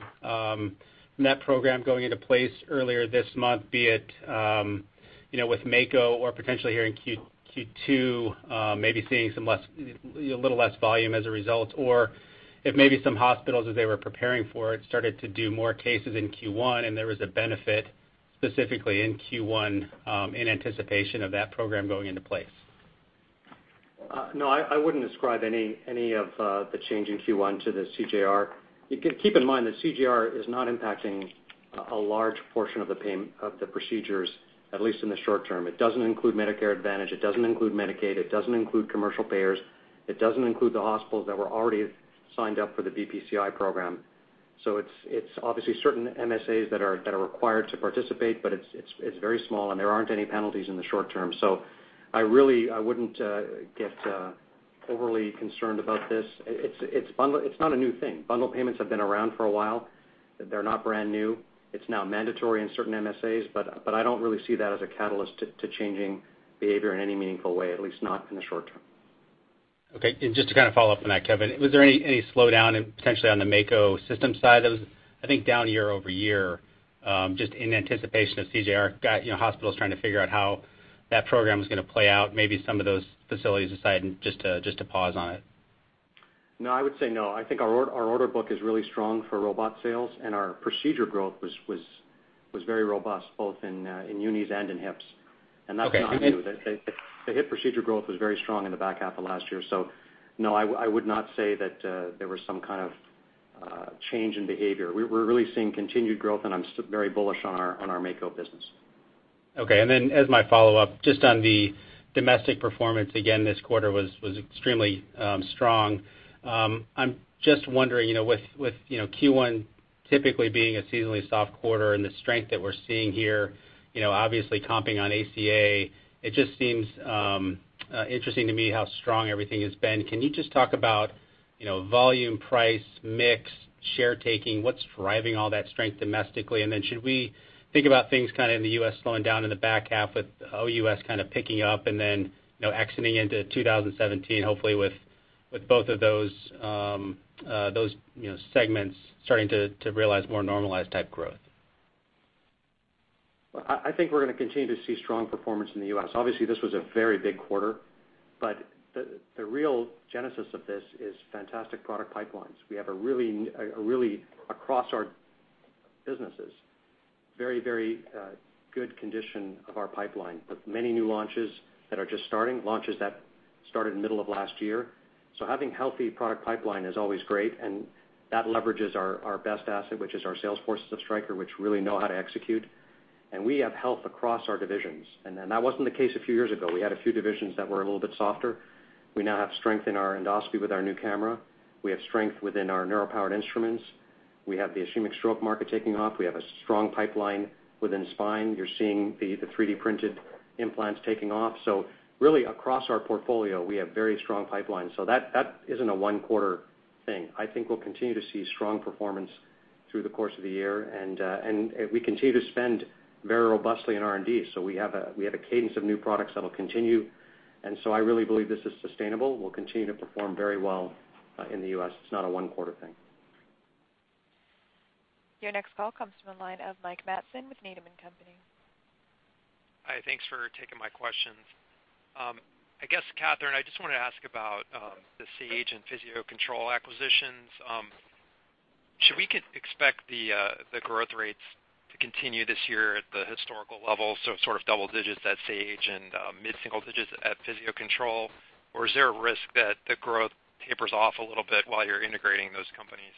that program going into place earlier this month, be it with Mako or potentially here in Q2 maybe seeing a little less volume as a result, or if maybe some hospitals, as they were preparing for it, started to do more cases in Q1 and there was a benefit specifically in Q1 in anticipation of that program going into place. No, I wouldn't ascribe any of the change in Q1 to the CJR. Keep in mind that CJR is not impacting a large portion of the procedures, at least in the short term. It doesn't include Medicare Advantage. It doesn't include Medicaid. It doesn't include commercial payers. It doesn't include the hospitals that were already signed up for the BPCI program. It's obviously certain MSAs that are required to participate, but it's very small, and there aren't any penalties in the short term. I really wouldn't get overly concerned about this. It's not a new thing. Bundle payments have been around for a while. They're not brand new. It's now mandatory in certain MSAs, but I don't really see that as a catalyst to changing behavior in any meaningful way, at least not in the short term. Okay. Just to kind of follow up on that, Kevin, was there any slowdown potentially on the Mako system side? That was, I think, down year-over-year just in anticipation of CJR, got hospitals trying to figure out how that program was going to play out. Maybe some of those facilities decided just to pause on it. No, I would say no. I think our order book is really strong for robot sales, and our procedure growth was very robust both in unis and in hips. That's not new. Okay. The hip procedure growth was very strong in the back half of last year. No, I would not say that there was some kind of change in behavior. We're really seeing continued growth, and I'm still very bullish on our Mako business. Okay, as my follow-up, just on the domestic performance, again, this quarter was extremely strong. I'm just wondering, with Q1 typically being a seasonally soft quarter and the strength that we're seeing here, obviously comping on ACA, it just seems interesting to me how strong everything has been. Can you just talk about volume, price, mix, share taking? What's driving all that strength domestically? Should we think about things kind of in the U.S. slowing down in the back half with OUS kind of picking up and then exiting into 2017, hopefully with both of those segments starting to realize more normalized type growth? I think we're going to continue to see strong performance in the U.S. Obviously, this was a very big quarter, the real genesis of this is fantastic product pipelines. We have a really, across our businesses, very good condition of our pipeline, with many new launches that are just starting, launches that started in the middle of last year. Having healthy product pipeline is always great, and that leverages our best asset, which is our sales forces of Stryker, which really know how to execute. We have health across our divisions. That wasn't the case a few years ago. We had a few divisions that were a little bit softer. We now have strength in our endoscopy with our new camera. We have strength within our neuro-powered instruments. We have the ischemic stroke market taking off. We have a strong pipeline within spine. You're seeing the 3D-printed implants taking off. Really across our portfolio, we have very strong pipelines. That isn't a one-quarter thing. I think we'll continue to see strong performance through the course of the year, and we continue to spend very robustly in R&D. We have a cadence of new products that will continue. I really believe this is sustainable. We'll continue to perform very well in the U.S. It's not a one-quarter thing. Your next call comes from the line of Mike Matson with Needham & Company. Hi, thanks for taking my questions. I guess, Katherine, I just want to ask about the Sage and Physio-Control acquisitions. Should we expect the growth rates to continue this year at the historical level, so sort of double-digits at Sage and mid-single-digits at Physio-Control? Or is there a risk that the growth tapers off a little bit while you're integrating those companies?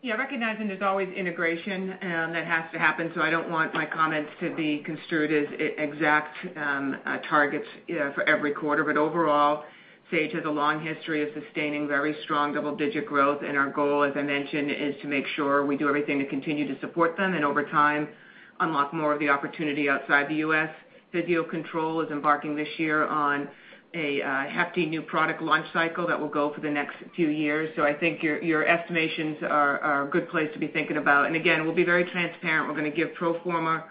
Yeah, recognizing there's always integration that has to happen, I don't want my comments to be construed as exact targets for every quarter. Overall, Sage has a long history of sustaining very strong double-digit growth, and our goal, as I mentioned, is to make sure we do everything to continue to support them and over time, unlock more of the opportunity outside the U.S. Physio-Control is embarking this year on a hefty new product launch cycle that will go for the next few years. I think your estimations are a good place to be thinking about. Again, we'll be very transparent. We're going to give pro forma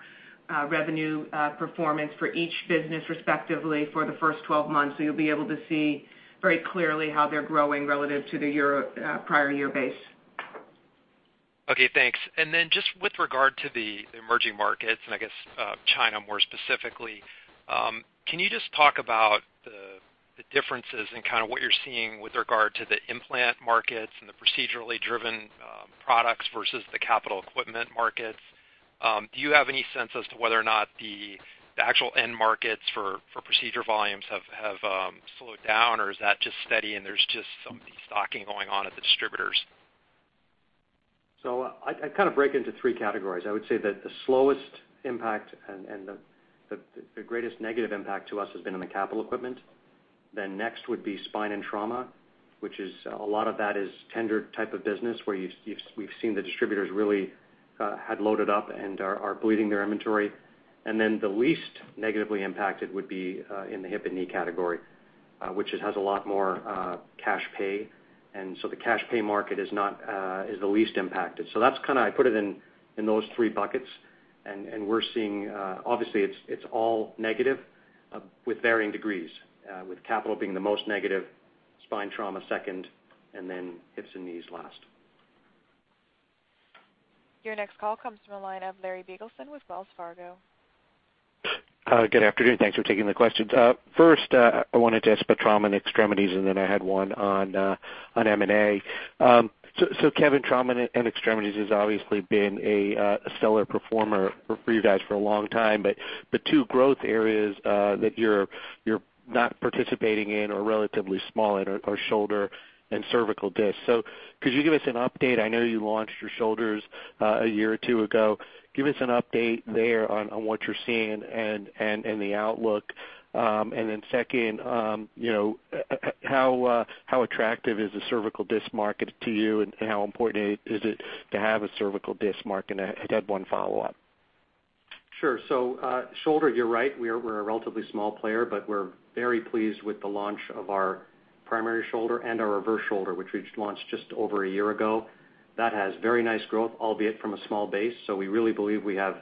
revenue performance for each business respectively for the first 12 months. You'll be able to see very clearly how they're growing relative to the prior year base. Okay, thanks. Then just with regard to the emerging markets, I guess China more specifically, can you just talk about the differences in kind of what you're seeing with regard to the implant markets and the procedurally driven products versus the capital equipment markets? Do you have any sense as to whether or not the actual end markets for procedure volumes have slowed down, or is that just steady and there's just some destocking going on at the distributors? I kind of break it into 3 categories. I would say that the slowest impact and the greatest negative impact to us has been on the capital equipment. Then next would be spine and trauma, which is a lot of that is tendered type of business where we've seen the distributors really had loaded up and are bleeding their inventory. Then the least negatively impacted would be in the hip and knee category, which has a lot more cash pay, and so the cash pay market is the least impacted. That's kind of, I put it in those 3 buckets, and we're seeing, obviously, it's all negative with varying degrees, with capital being the most negative, spine, trauma second, and then hips and knees last. Your next call comes from the line of Larry Biegelsen with Wells Fargo. Good afternoon. Thanks for taking the questions. First, I wanted to ask about Trauma and Extremities, and then I had one on M&A. Kevin, Trauma and Extremities has obviously been a stellar performer for you guys for a long time. The 2 growth areas that you're not participating in or relatively small in are shoulder and cervical disc. Could you give us an update? I know you launched your shoulders a year or two ago. Give us an update there on what you're seeing and the outlook. Then second, how attractive is the cervical disc market to you, and how important is it to have a cervical disc market? I had one follow-up. Sure. Shoulder, you're right, we're a relatively small player, we're very pleased with the launch of our primary shoulder and our reverse shoulder, which we just launched just over a year ago. That has very nice growth, albeit from a small base. We really believe we have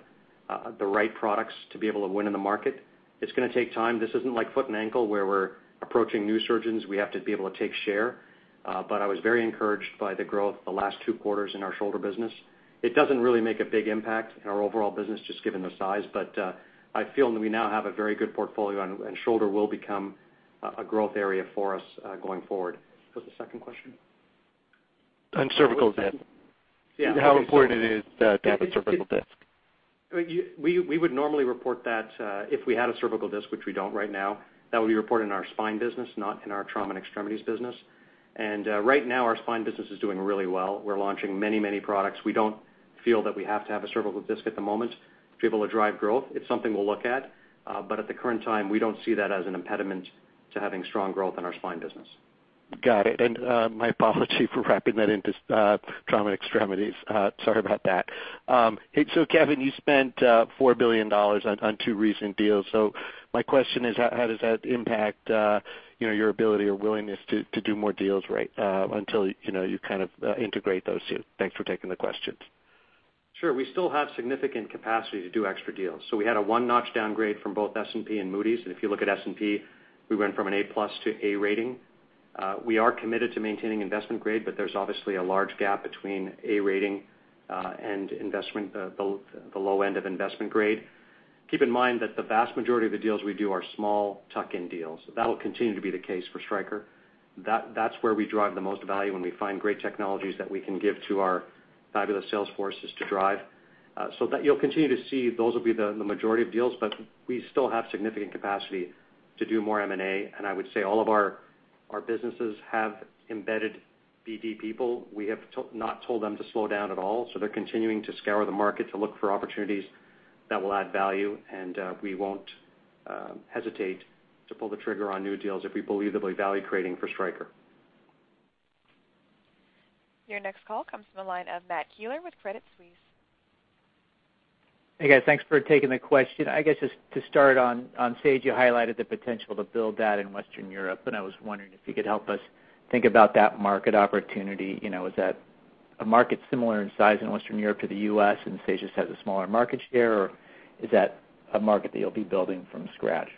the right products to be able to win in the market. It's going to take time. This isn't like foot and ankle, where we're approaching new surgeons. We have to be able to take share. I was very encouraged by the growth the last two quarters in our shoulder business. It doesn't really make a big impact in our overall business, just given the size. I feel that we now have a very good portfolio, and shoulder will become a growth area for us going forward. What was the second question? On cervical disc. Yeah. How important it is to have a cervical disc? We would normally report that if we had a cervical disc, which we don't right now. That would be reported in our spine business, not in our trauma and extremities business. Right now, our spine business is doing really well. We're launching many products. We don't feel that we have to have a cervical disc at the moment to be able to drive growth. It's something we'll look at. At the current time, we don't see that as an impediment to having strong growth in our spine business. My apology for wrapping that into trauma and extremities. Sorry about that. Kevin, you spent $4 billion on two recent deals. My question is: how does that impact your ability or willingness to do more deals right, until you kind of integrate those two? Thanks for taking the questions. Sure. We still have significant capacity to do extra deals. We had a one-notch downgrade from both S&P and Moody's. If you look at S&P, we went from an A+ to A rating. We are committed to maintaining investment grade, but there's obviously a large gap between A rating and the low end of investment grade. Keep in mind that the vast majority of the deals we do are small tuck-in deals. That'll continue to be the case for Stryker. That's where we drive the most value when we find great technologies that we can give to our fabulous sales forces to drive. You'll continue to see those will be the majority of deals, but we still have significant capacity to do more M&A, and I would say all of our businesses have embedded BD people. We have not told them to slow down at all, they're continuing to scour the market to look for opportunities that will add value, we won't hesitate to pull the trigger on new deals if we believably value creating for Stryker. Your next call comes from the line of [Matt Kewan] with Credit Suisse. Hey, guys. Thanks for taking the question. I guess just to start, on Sage, you highlighted the potential to build that in Western Europe, and I was wondering if you could help us think about that market opportunity. Is that a market similar in size in Western Europe to the U.S. and Sage just has a smaller market share, or is that a market that you'll be building from scratch?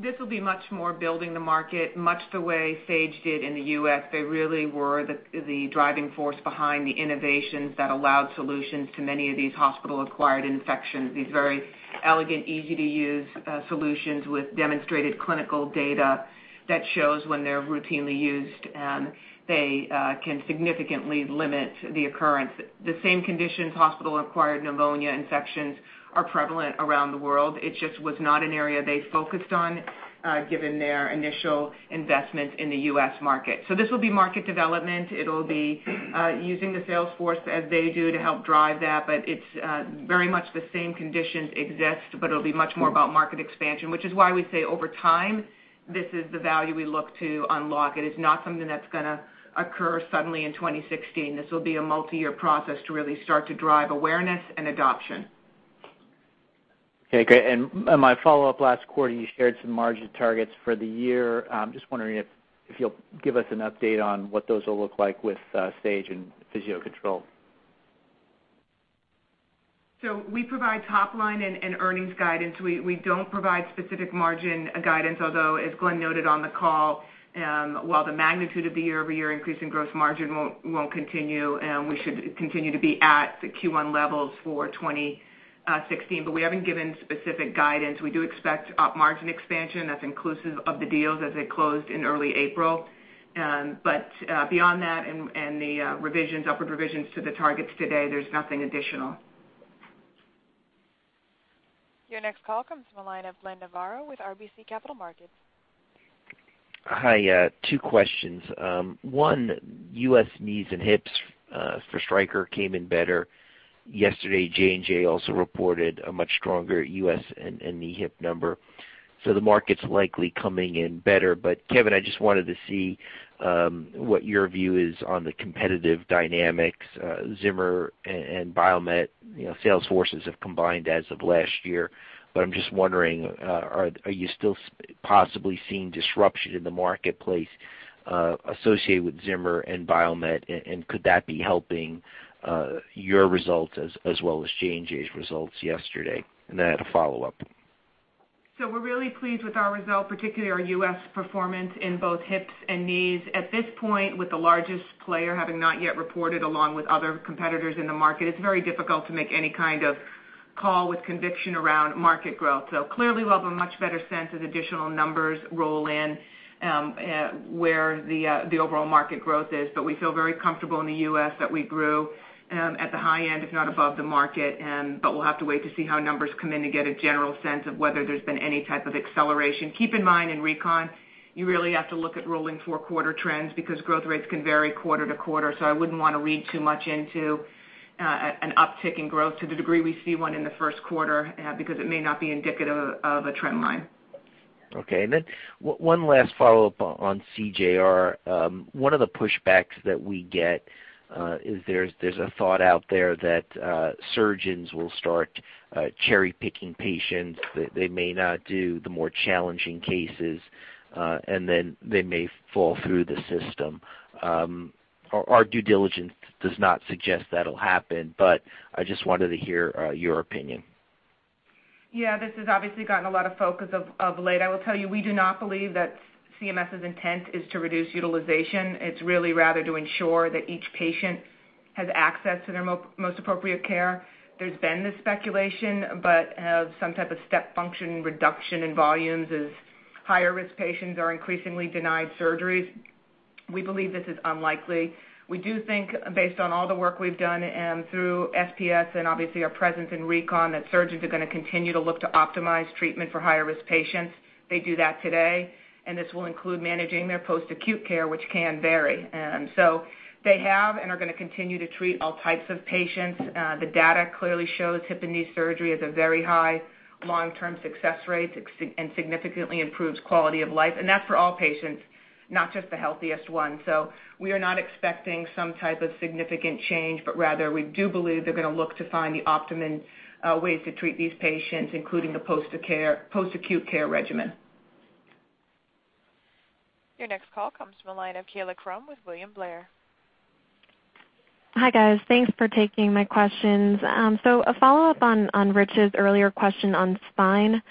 This will be much more building the market, much the way Sage did in the U.S. They really were the driving force behind the innovations that allowed solutions to many of these hospital-acquired infections, these very elegant, easy-to-use solutions with demonstrated clinical data that shows when they're routinely used, they can significantly limit the occurrence. The same conditions hospital-acquired pneumonia infections are prevalent around the world. It just was not an area they focused on given their initial investment in the U.S. market. This will be market development. It'll be using the sales force as they do to help drive that, but it's very much the same conditions exist, but it'll be much more about market expansion, which is why we say over time, this is the value we look to unlock. It is not something that's going to occur suddenly in 2016. This will be a multi-year process to really start to drive awareness and adoption. Okay, great. My follow-up, last quarter, you shared some margin targets for the year. I'm just wondering if you'll give us an update on what those will look like with Sage and Physio-Control. We provide top-line and earnings guidance. We don't provide specific margin guidance, although, as Glenn noted on the call, while the magnitude of the year-over-year increase in gross margin won't continue, we should continue to be at the Q1 levels for 2016. We haven't given specific guidance. We do expect margin expansion that's inclusive of the deals as they closed in early April. Beyond that and the upward revisions to the targets today, there's nothing additional. Your next call comes from the line of Glenn Navarro with RBC Capital Markets. Hi. Two questions. One, U.S. knees and hips for Stryker came in better. Yesterday, J&J also reported a much stronger U.S. and knee hip number. The market's likely coming in better. Kevin, I just wanted to see what your view is on the competitive dynamics. Zimmer and Biomet sales forces have combined as of last year. I'm just wondering, are you still possibly seeing disruption in the marketplace associated with Zimmer and Biomet, and could that be helping your results as well as J&J's results yesterday? I had a follow-up. We're really pleased with our results, particularly our U.S. performance in both hips and knees. At this point, with the largest player having not yet reported along with other competitors in the market, it's very difficult to make any kind of call with conviction around market growth. Clearly, we'll have a much better sense as additional numbers roll in where the overall market growth is. We feel very comfortable in the U.S. that we grew at the high end, if not above the market. We'll have to wait to see how numbers come in to get a general sense of whether there's been any type of acceleration. Keep in mind, in Recon, you really have to look at rolling four-quarter trends because growth rates can vary quarter-to-quarter. I wouldn't want to read too much into an uptick in growth to the degree we see one in the first quarter because it may not be indicative of a trend line. One last follow-up on CJR. One of the pushbacks that we get is there's a thought out there that surgeons will start cherry-picking patients, that they may not do the more challenging cases, and then they may fall through the system. Our due diligence does not suggest that'll happen, but I just wanted to hear your opinion. This has obviously gotten a lot of focus of late. I will tell you, we do not believe that CMS's intent is to reduce utilization. It's really rather to ensure that each patient has access to their most appropriate care. There's been this speculation, but some type of step function reduction in volumes as higher risk patients are increasingly denied surgeries. We believe this is unlikely. We do think based on all the work we've done and through SPS and obviously our presence in ReCon, that surgeons are going to continue to look to optimize treatment for higher risk patients. They do that today, and this will include managing their post-acute care, which can vary. They have and are going to continue to treat all types of patients. The data clearly shows hip and knee surgery has a very high long-term success rate and significantly improves quality of life, and that's for all patients, not just the healthiest ones. We are not expecting some type of significant change, but rather we do believe they're going to look to find the optimum ways to treat these patients, including the post-acute care regimen. Your next call comes from the line of Kaila Krum with William Blair. Hi, guys. Thanks for taking my questions. A follow-up on Rich's earlier question on spine.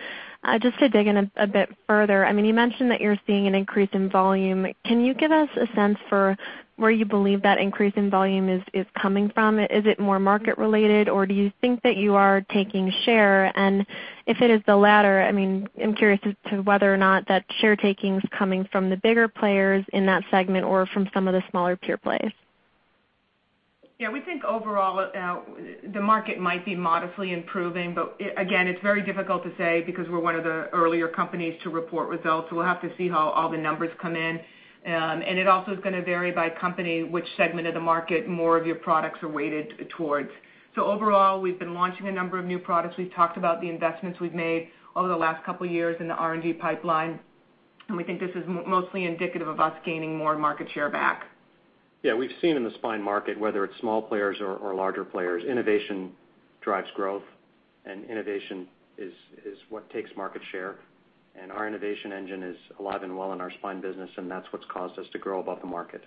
Just to dig in a bit further, you mentioned that you're seeing an increase in volume. Can you give us a sense for where you believe that increase in volume is coming from? Is it more market related, or do you think that you are taking share? And if it is the latter, I'm curious as to whether or not that share taking is coming from the bigger players in that segment or from some of the smaller pure plays. We think overall the market might be modestly improving, again, it's very difficult to say because we're one of the earlier companies to report results. We'll have to see how all the numbers come in. It also is going to vary by company, which segment of the market more of your products are weighted towards. Overall, we've been launching a number of new products. We've talked about the investments we've made over the last couple of years in the R&D pipeline, we think this is mostly indicative of us gaining more market share back. We've seen in the spine market, whether it's small players or larger players, innovation drives growth, innovation is what takes market share. Our innovation engine is alive and well in our spine business, that's what's caused us to grow above the market.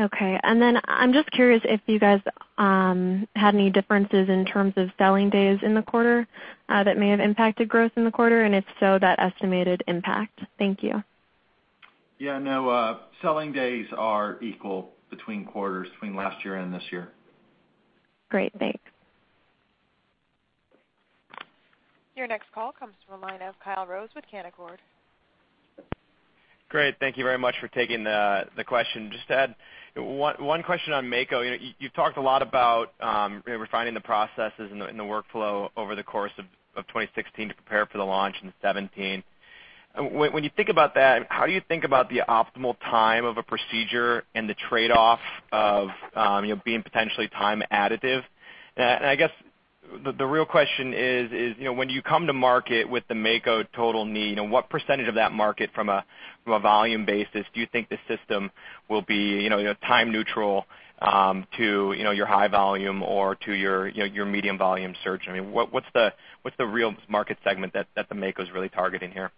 Okay. I'm just curious if you guys had any differences in terms of selling days in the quarter that may have impacted growth in the quarter, and if so, that estimated impact. Thank you. Yeah, no. Selling days are equal between quarters, between last year and this year. Great. Thanks. Your next call comes from the line of Kyle Rose with Canaccord. Great. Thank you very much for taking the question. Just to add one question on Mako. You've talked a lot about refining the processes and the workflow over the course of 2016 to prepare for the launch in 2017. When you think about that, how do you think about the optimal time of a procedure and the trade-off of being potentially time additive? I guess the real question is, when you come to market with the Mako total knee, what % of that market from a volume basis do you think the system will be time neutral to your high volume or to your medium volume surgeon? What's the real market segment that the Mako is really targeting here?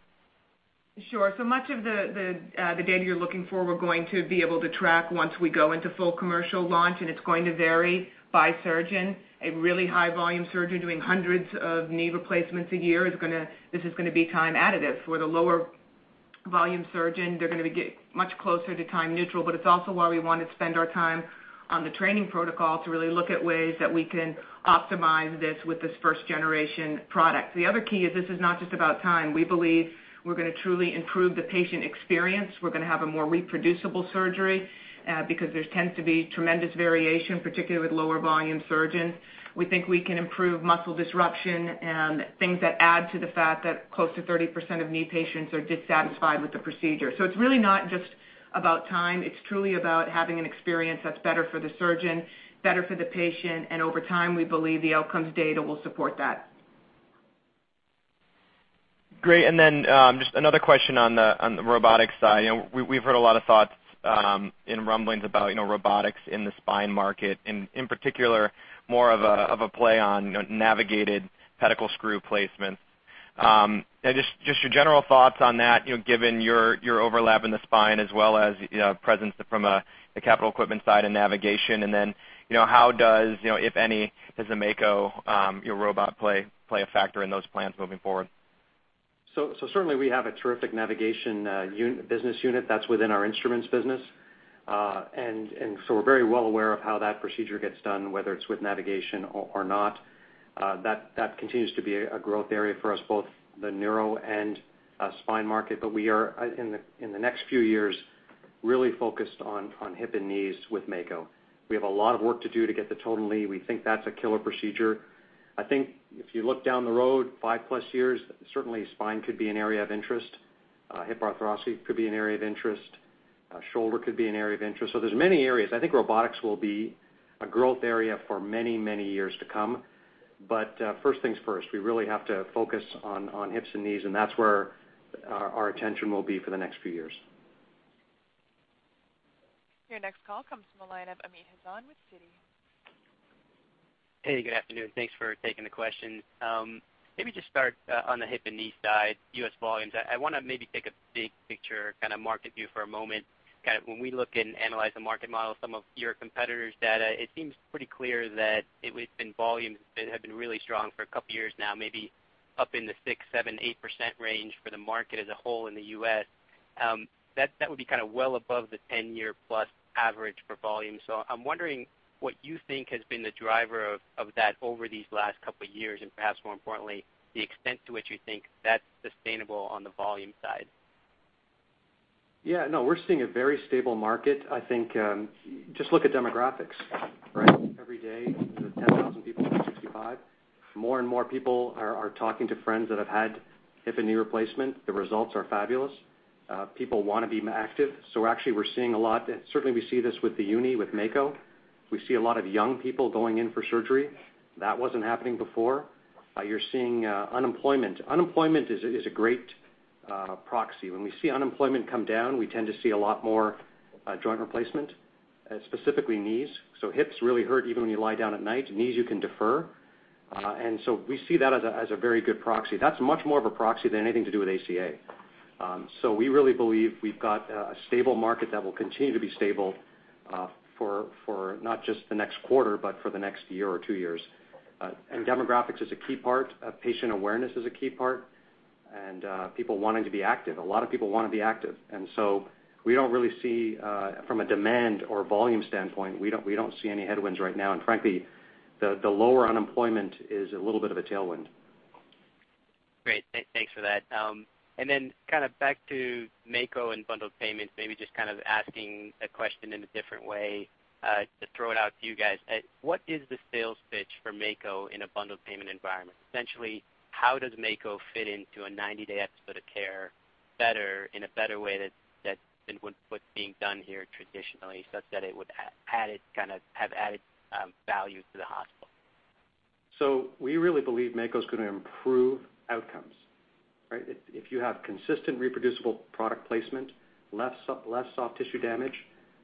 Sure. Much of the data you're looking for, we're going to be able to track once we go into full commercial launch, and it's going to vary by surgeon. A really high volume surgeon doing hundreds of knee replacements a year, this is going to be time additive. For the lower volume surgeon, they're going to get much closer to time neutral. It's also why we want to spend our time on the training protocol to really look at ways that we can optimize this with this first-generation product. The other key is this is not just about time. We believe we're going to truly improve the patient experience. We're going to have a more reproducible surgery, because there tends to be tremendous variation, particularly with lower volume surgeons. We think we can improve muscle disruption and things that add to the fact that close to 30% of knee patients are dissatisfied with the procedure. It's really not just about time. It's truly about having an experience that's better for the surgeon, better for the patient, and over time, we believe the outcomes data will support that. Great, just another question on the robotics side. We've heard a lot of thoughts and rumblings about robotics in the spine market, and in particular, more of a play on navigated pedicle screw placement. Just your general thoughts on that, given your overlap in the spine as well as presence from a capital equipment side and navigation, how does, if any, does the Mako robot play a factor in those plans moving forward? Certainly we have a terrific navigation business unit that's within our instruments business. We're very well aware of how that procedure gets done, whether it's with navigation or not. That continues to be a growth area for us, both the neuro and spine market. We are, in the next few years, really focused on hip and knees with Mako. We have a lot of work to do to get the total knee. We think that's a killer procedure. I think if you look down the road 5+ years, certainly spine could be an area of interest. Hip arthroscopy could be an area of interest. Shoulder could be an area of interest. There's many areas. I think robotics will be a growth area for many, many years to come. First things first, we really have to focus on hips and knees, and that's where our attention will be for the next few years. Your next call comes from the line of Amit Hazan with Citi. Hey, good afternoon. Thanks for taking the question. Maybe just start on the hip and knee side, U.S. volumes. I want to maybe take a big picture kind of market view for a moment. When we look and analyze the market model, some of your competitors' data, it seems pretty clear that volumes have been really strong for a couple of years now, maybe up in the 6%, 7%, 8% range for the market as a whole in the U.S. That would be well above the 10-year+ average for volume. I'm wondering what you think has been the driver of that over these last couple of years, and perhaps more importantly, the extent to which you think that's sustainable on the volume side. Yeah. No, we're seeing a very stable market. I think, just look at demographics, right. Every day there are 10,000 people over 65. More and more people are talking to friends that have had hip and knee replacement. The results are fabulous. People want to be active. Actually, we're seeing a lot, and certainly we see this with the uni, with Mako. We see a lot of young people going in for surgery. That wasn't happening before. You're seeing unemployment. Unemployment is a great proxy. When we see unemployment come down, we tend to see a lot more joint replacement, specifically knees. Hips really hurt, even when you lie down at night. Knees, you can defer. We see that as a very good proxy. That's much more of a proxy than anything to do with ACA. We really believe we've got a stable market that will continue to be stable for not just the next quarter, but for the next year or two years. Demographics is a key part. Patient awareness is a key part, people wanting to be active. A lot of people want to be active. We don't really see from a demand or volume standpoint, we don't see any headwinds right now, and frankly, the lower unemployment is a little bit of a tailwind. Great. Thanks for that. Then back to Mako and bundled payments, maybe just asking a question in a different way to throw it out to you guys. What is the sales pitch for Mako in a bundled payment environment? Essentially, how does Mako fit into a 90-day episode of care better in a better way than what's being done here traditionally, such that it would have added value to the hospital? We really believe Mako's going to improve outcomes, right. If you have consistent, reproducible product placement, less soft tissue damage,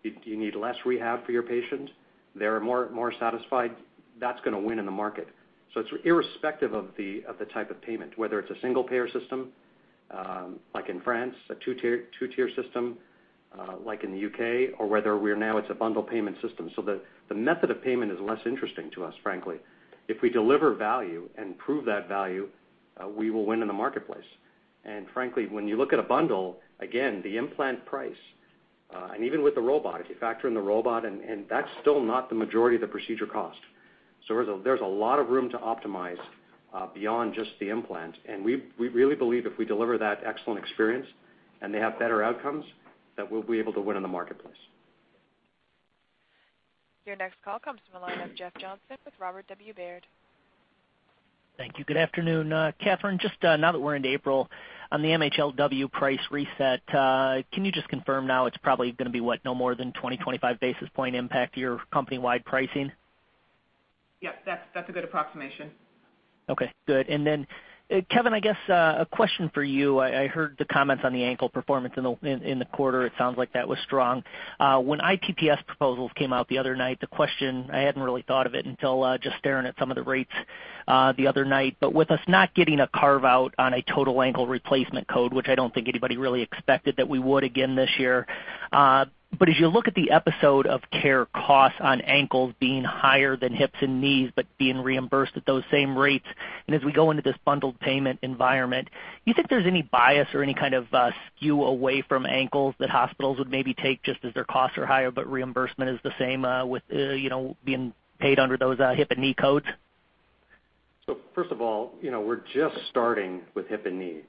you need less rehab for your patients, they are more satisfied. That's going to win in the market. It's irrespective of the type of payment, whether it's a single-payer system, like in France, a two-tier system, like in the U.K., or whether we are now it's a bundled payment system. The method of payment is less interesting to us, frankly. If we deliver value and prove that value, we will win in the marketplace. Frankly, when you look at a bundle, again, the implant price, and even with the robot, if you factor in the robot, and that's still not the majority of the procedure cost. There's a lot of room to optimize beyond just the implant, and we really believe if we deliver that excellent experience, and they have better outcomes, that we'll be able to win in the marketplace. Your next call comes from the line of Jeff Johnson with Robert W. Baird. Thank you. Good afternoon. Katherine, just now that we're into April, on the MHLW price reset, can you just confirm now it's probably going to be what, no more than 20, 25 basis point impact to your company-wide pricing? Yep. That's a good approximation. Okay, good. Kevin, I guess a question for you. I heard the comments on the ankle performance in the quarter. It sounds like that was strong. When IPPS proposals came out the other night, the question, I hadn't really thought of it until just staring at some of the rates the other night, but with us not getting a carve-out on a total ankle replacement code, which I don't think anybody really expected that we would again this year. As you look at the episode of care costs on ankles being higher than hips and knees, but being reimbursed at those same rates, and as we go into this bundled payment environment, do you think there's any bias or any kind of skew away from ankles that hospitals would maybe take just as their costs are higher, but reimbursement is the same with being paid under those hip and knee codes? First of all, we're just starting with hip and knee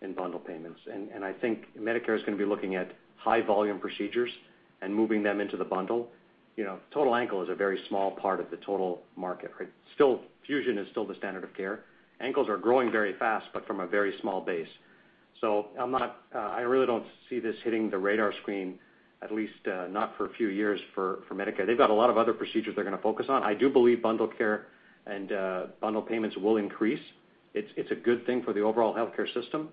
in bundled payments, and I think Medicare is going to be looking at high volume procedures and moving them into the bundle. Total ankle is a very small part of the total market. Fusion is still the standard of care. Ankles are growing very fast, but from a very small base. I really don't see this hitting the radar screen, at least not for a few years for Medicare. They've got a lot of other procedures they're going to focus on. I do believe bundled care and bundled payments will increase. It's a good thing for the overall healthcare system.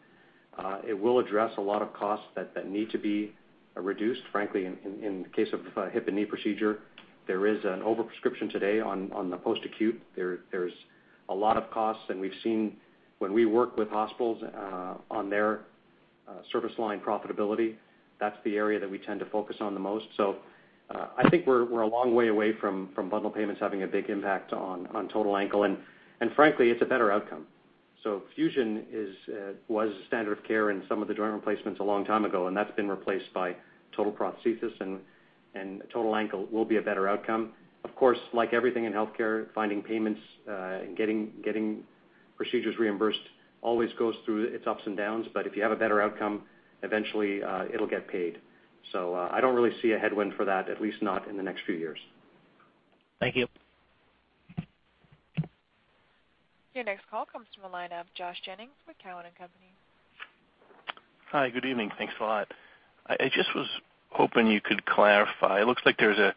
It will address a lot of costs that need to be reduced, frankly, in case of hip and knee procedure. There is an over-prescription today on the post-acute. There's a lot of costs, and we've seen when we work with hospitals on their service line profitability, that's the area that we tend to focus on the most. I think we're a long way away from bundled payments having a big impact on total ankle, and frankly, it's a better outcome. Fusion was standard of care in some of the joint replacements a long time ago, and that's been replaced by total prosthesis, and total ankle will be a better outcome. Of course, like everything in healthcare, finding payments, getting procedures reimbursed always goes through its ups and downs, but if you have a better outcome, eventually, it'll get paid. I don't really see a headwind for that, at least not in the next few years. Thank you. Your next call comes from the line of Josh Jennings with Cowen and Company. Hi, good evening. Thanks a lot. I just was hoping you could clarify. It looks like there's a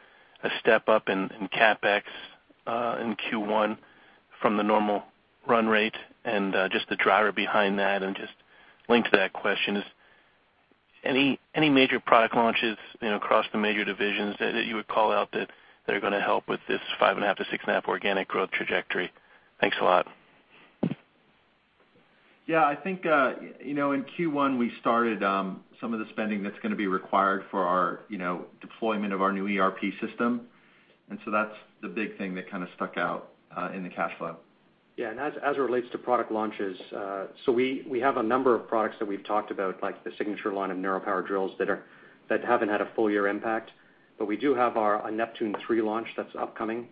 step up in CapEx in Q1 from the normal run rate. Linked to that question is, any major product launches across the major divisions that you would call out that are going to help with this 5.5%-6.5% organic growth trajectory? Thanks a lot. Yeah, I think in Q1 we started some of the spending that's going to be required for our deployment of our new ERP system. That's the big thing that stuck out in the cash flow. As it relates to product launches, we have a number of products that we've talked about, like the Signature line of NeuroPower drills that haven't had a full year impact. We do have our Neptune 3 launch that's upcoming,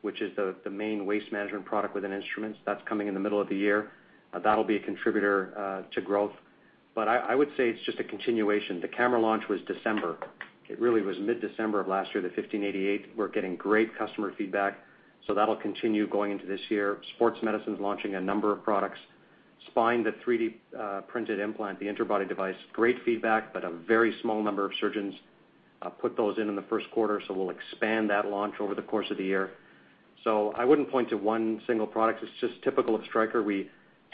which is the main waste management product within instruments. That's coming in the middle of the year. That'll be a contributor to growth. I would say it's just a continuation. The camera launch was December. It really was mid-December of last year, the 1588. We're getting great customer feedback, that'll continue going into this year. Sports medicine's launching a number of products. Spine, the 3D-printed implant, the interbody device, great feedback, a very small number of surgeons put those in in the first quarter, we'll expand that launch over the course of the year. I wouldn't point to one single product. It's just typical of Stryker.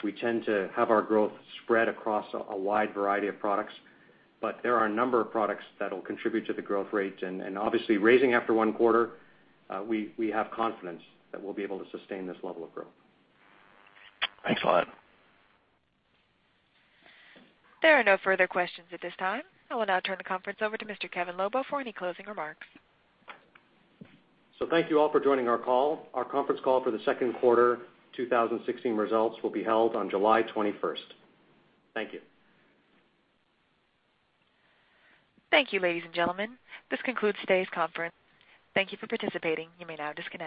We tend to have our growth spread across a wide variety of products, there are a number of products that'll contribute to the growth rate. Obviously raising after one quarter, we have confidence that we'll be able to sustain this level of growth. Thanks a lot. There are no further questions at this time. I will now turn the conference over to Mr. Kevin Lobo for any closing remarks. Thank you all for joining our call. Our conference call for the second quarter 2016 results will be held on July 21st. Thank you. Thank you, ladies and gentlemen. This concludes today's conference. Thank you for participating. You may now disconnect.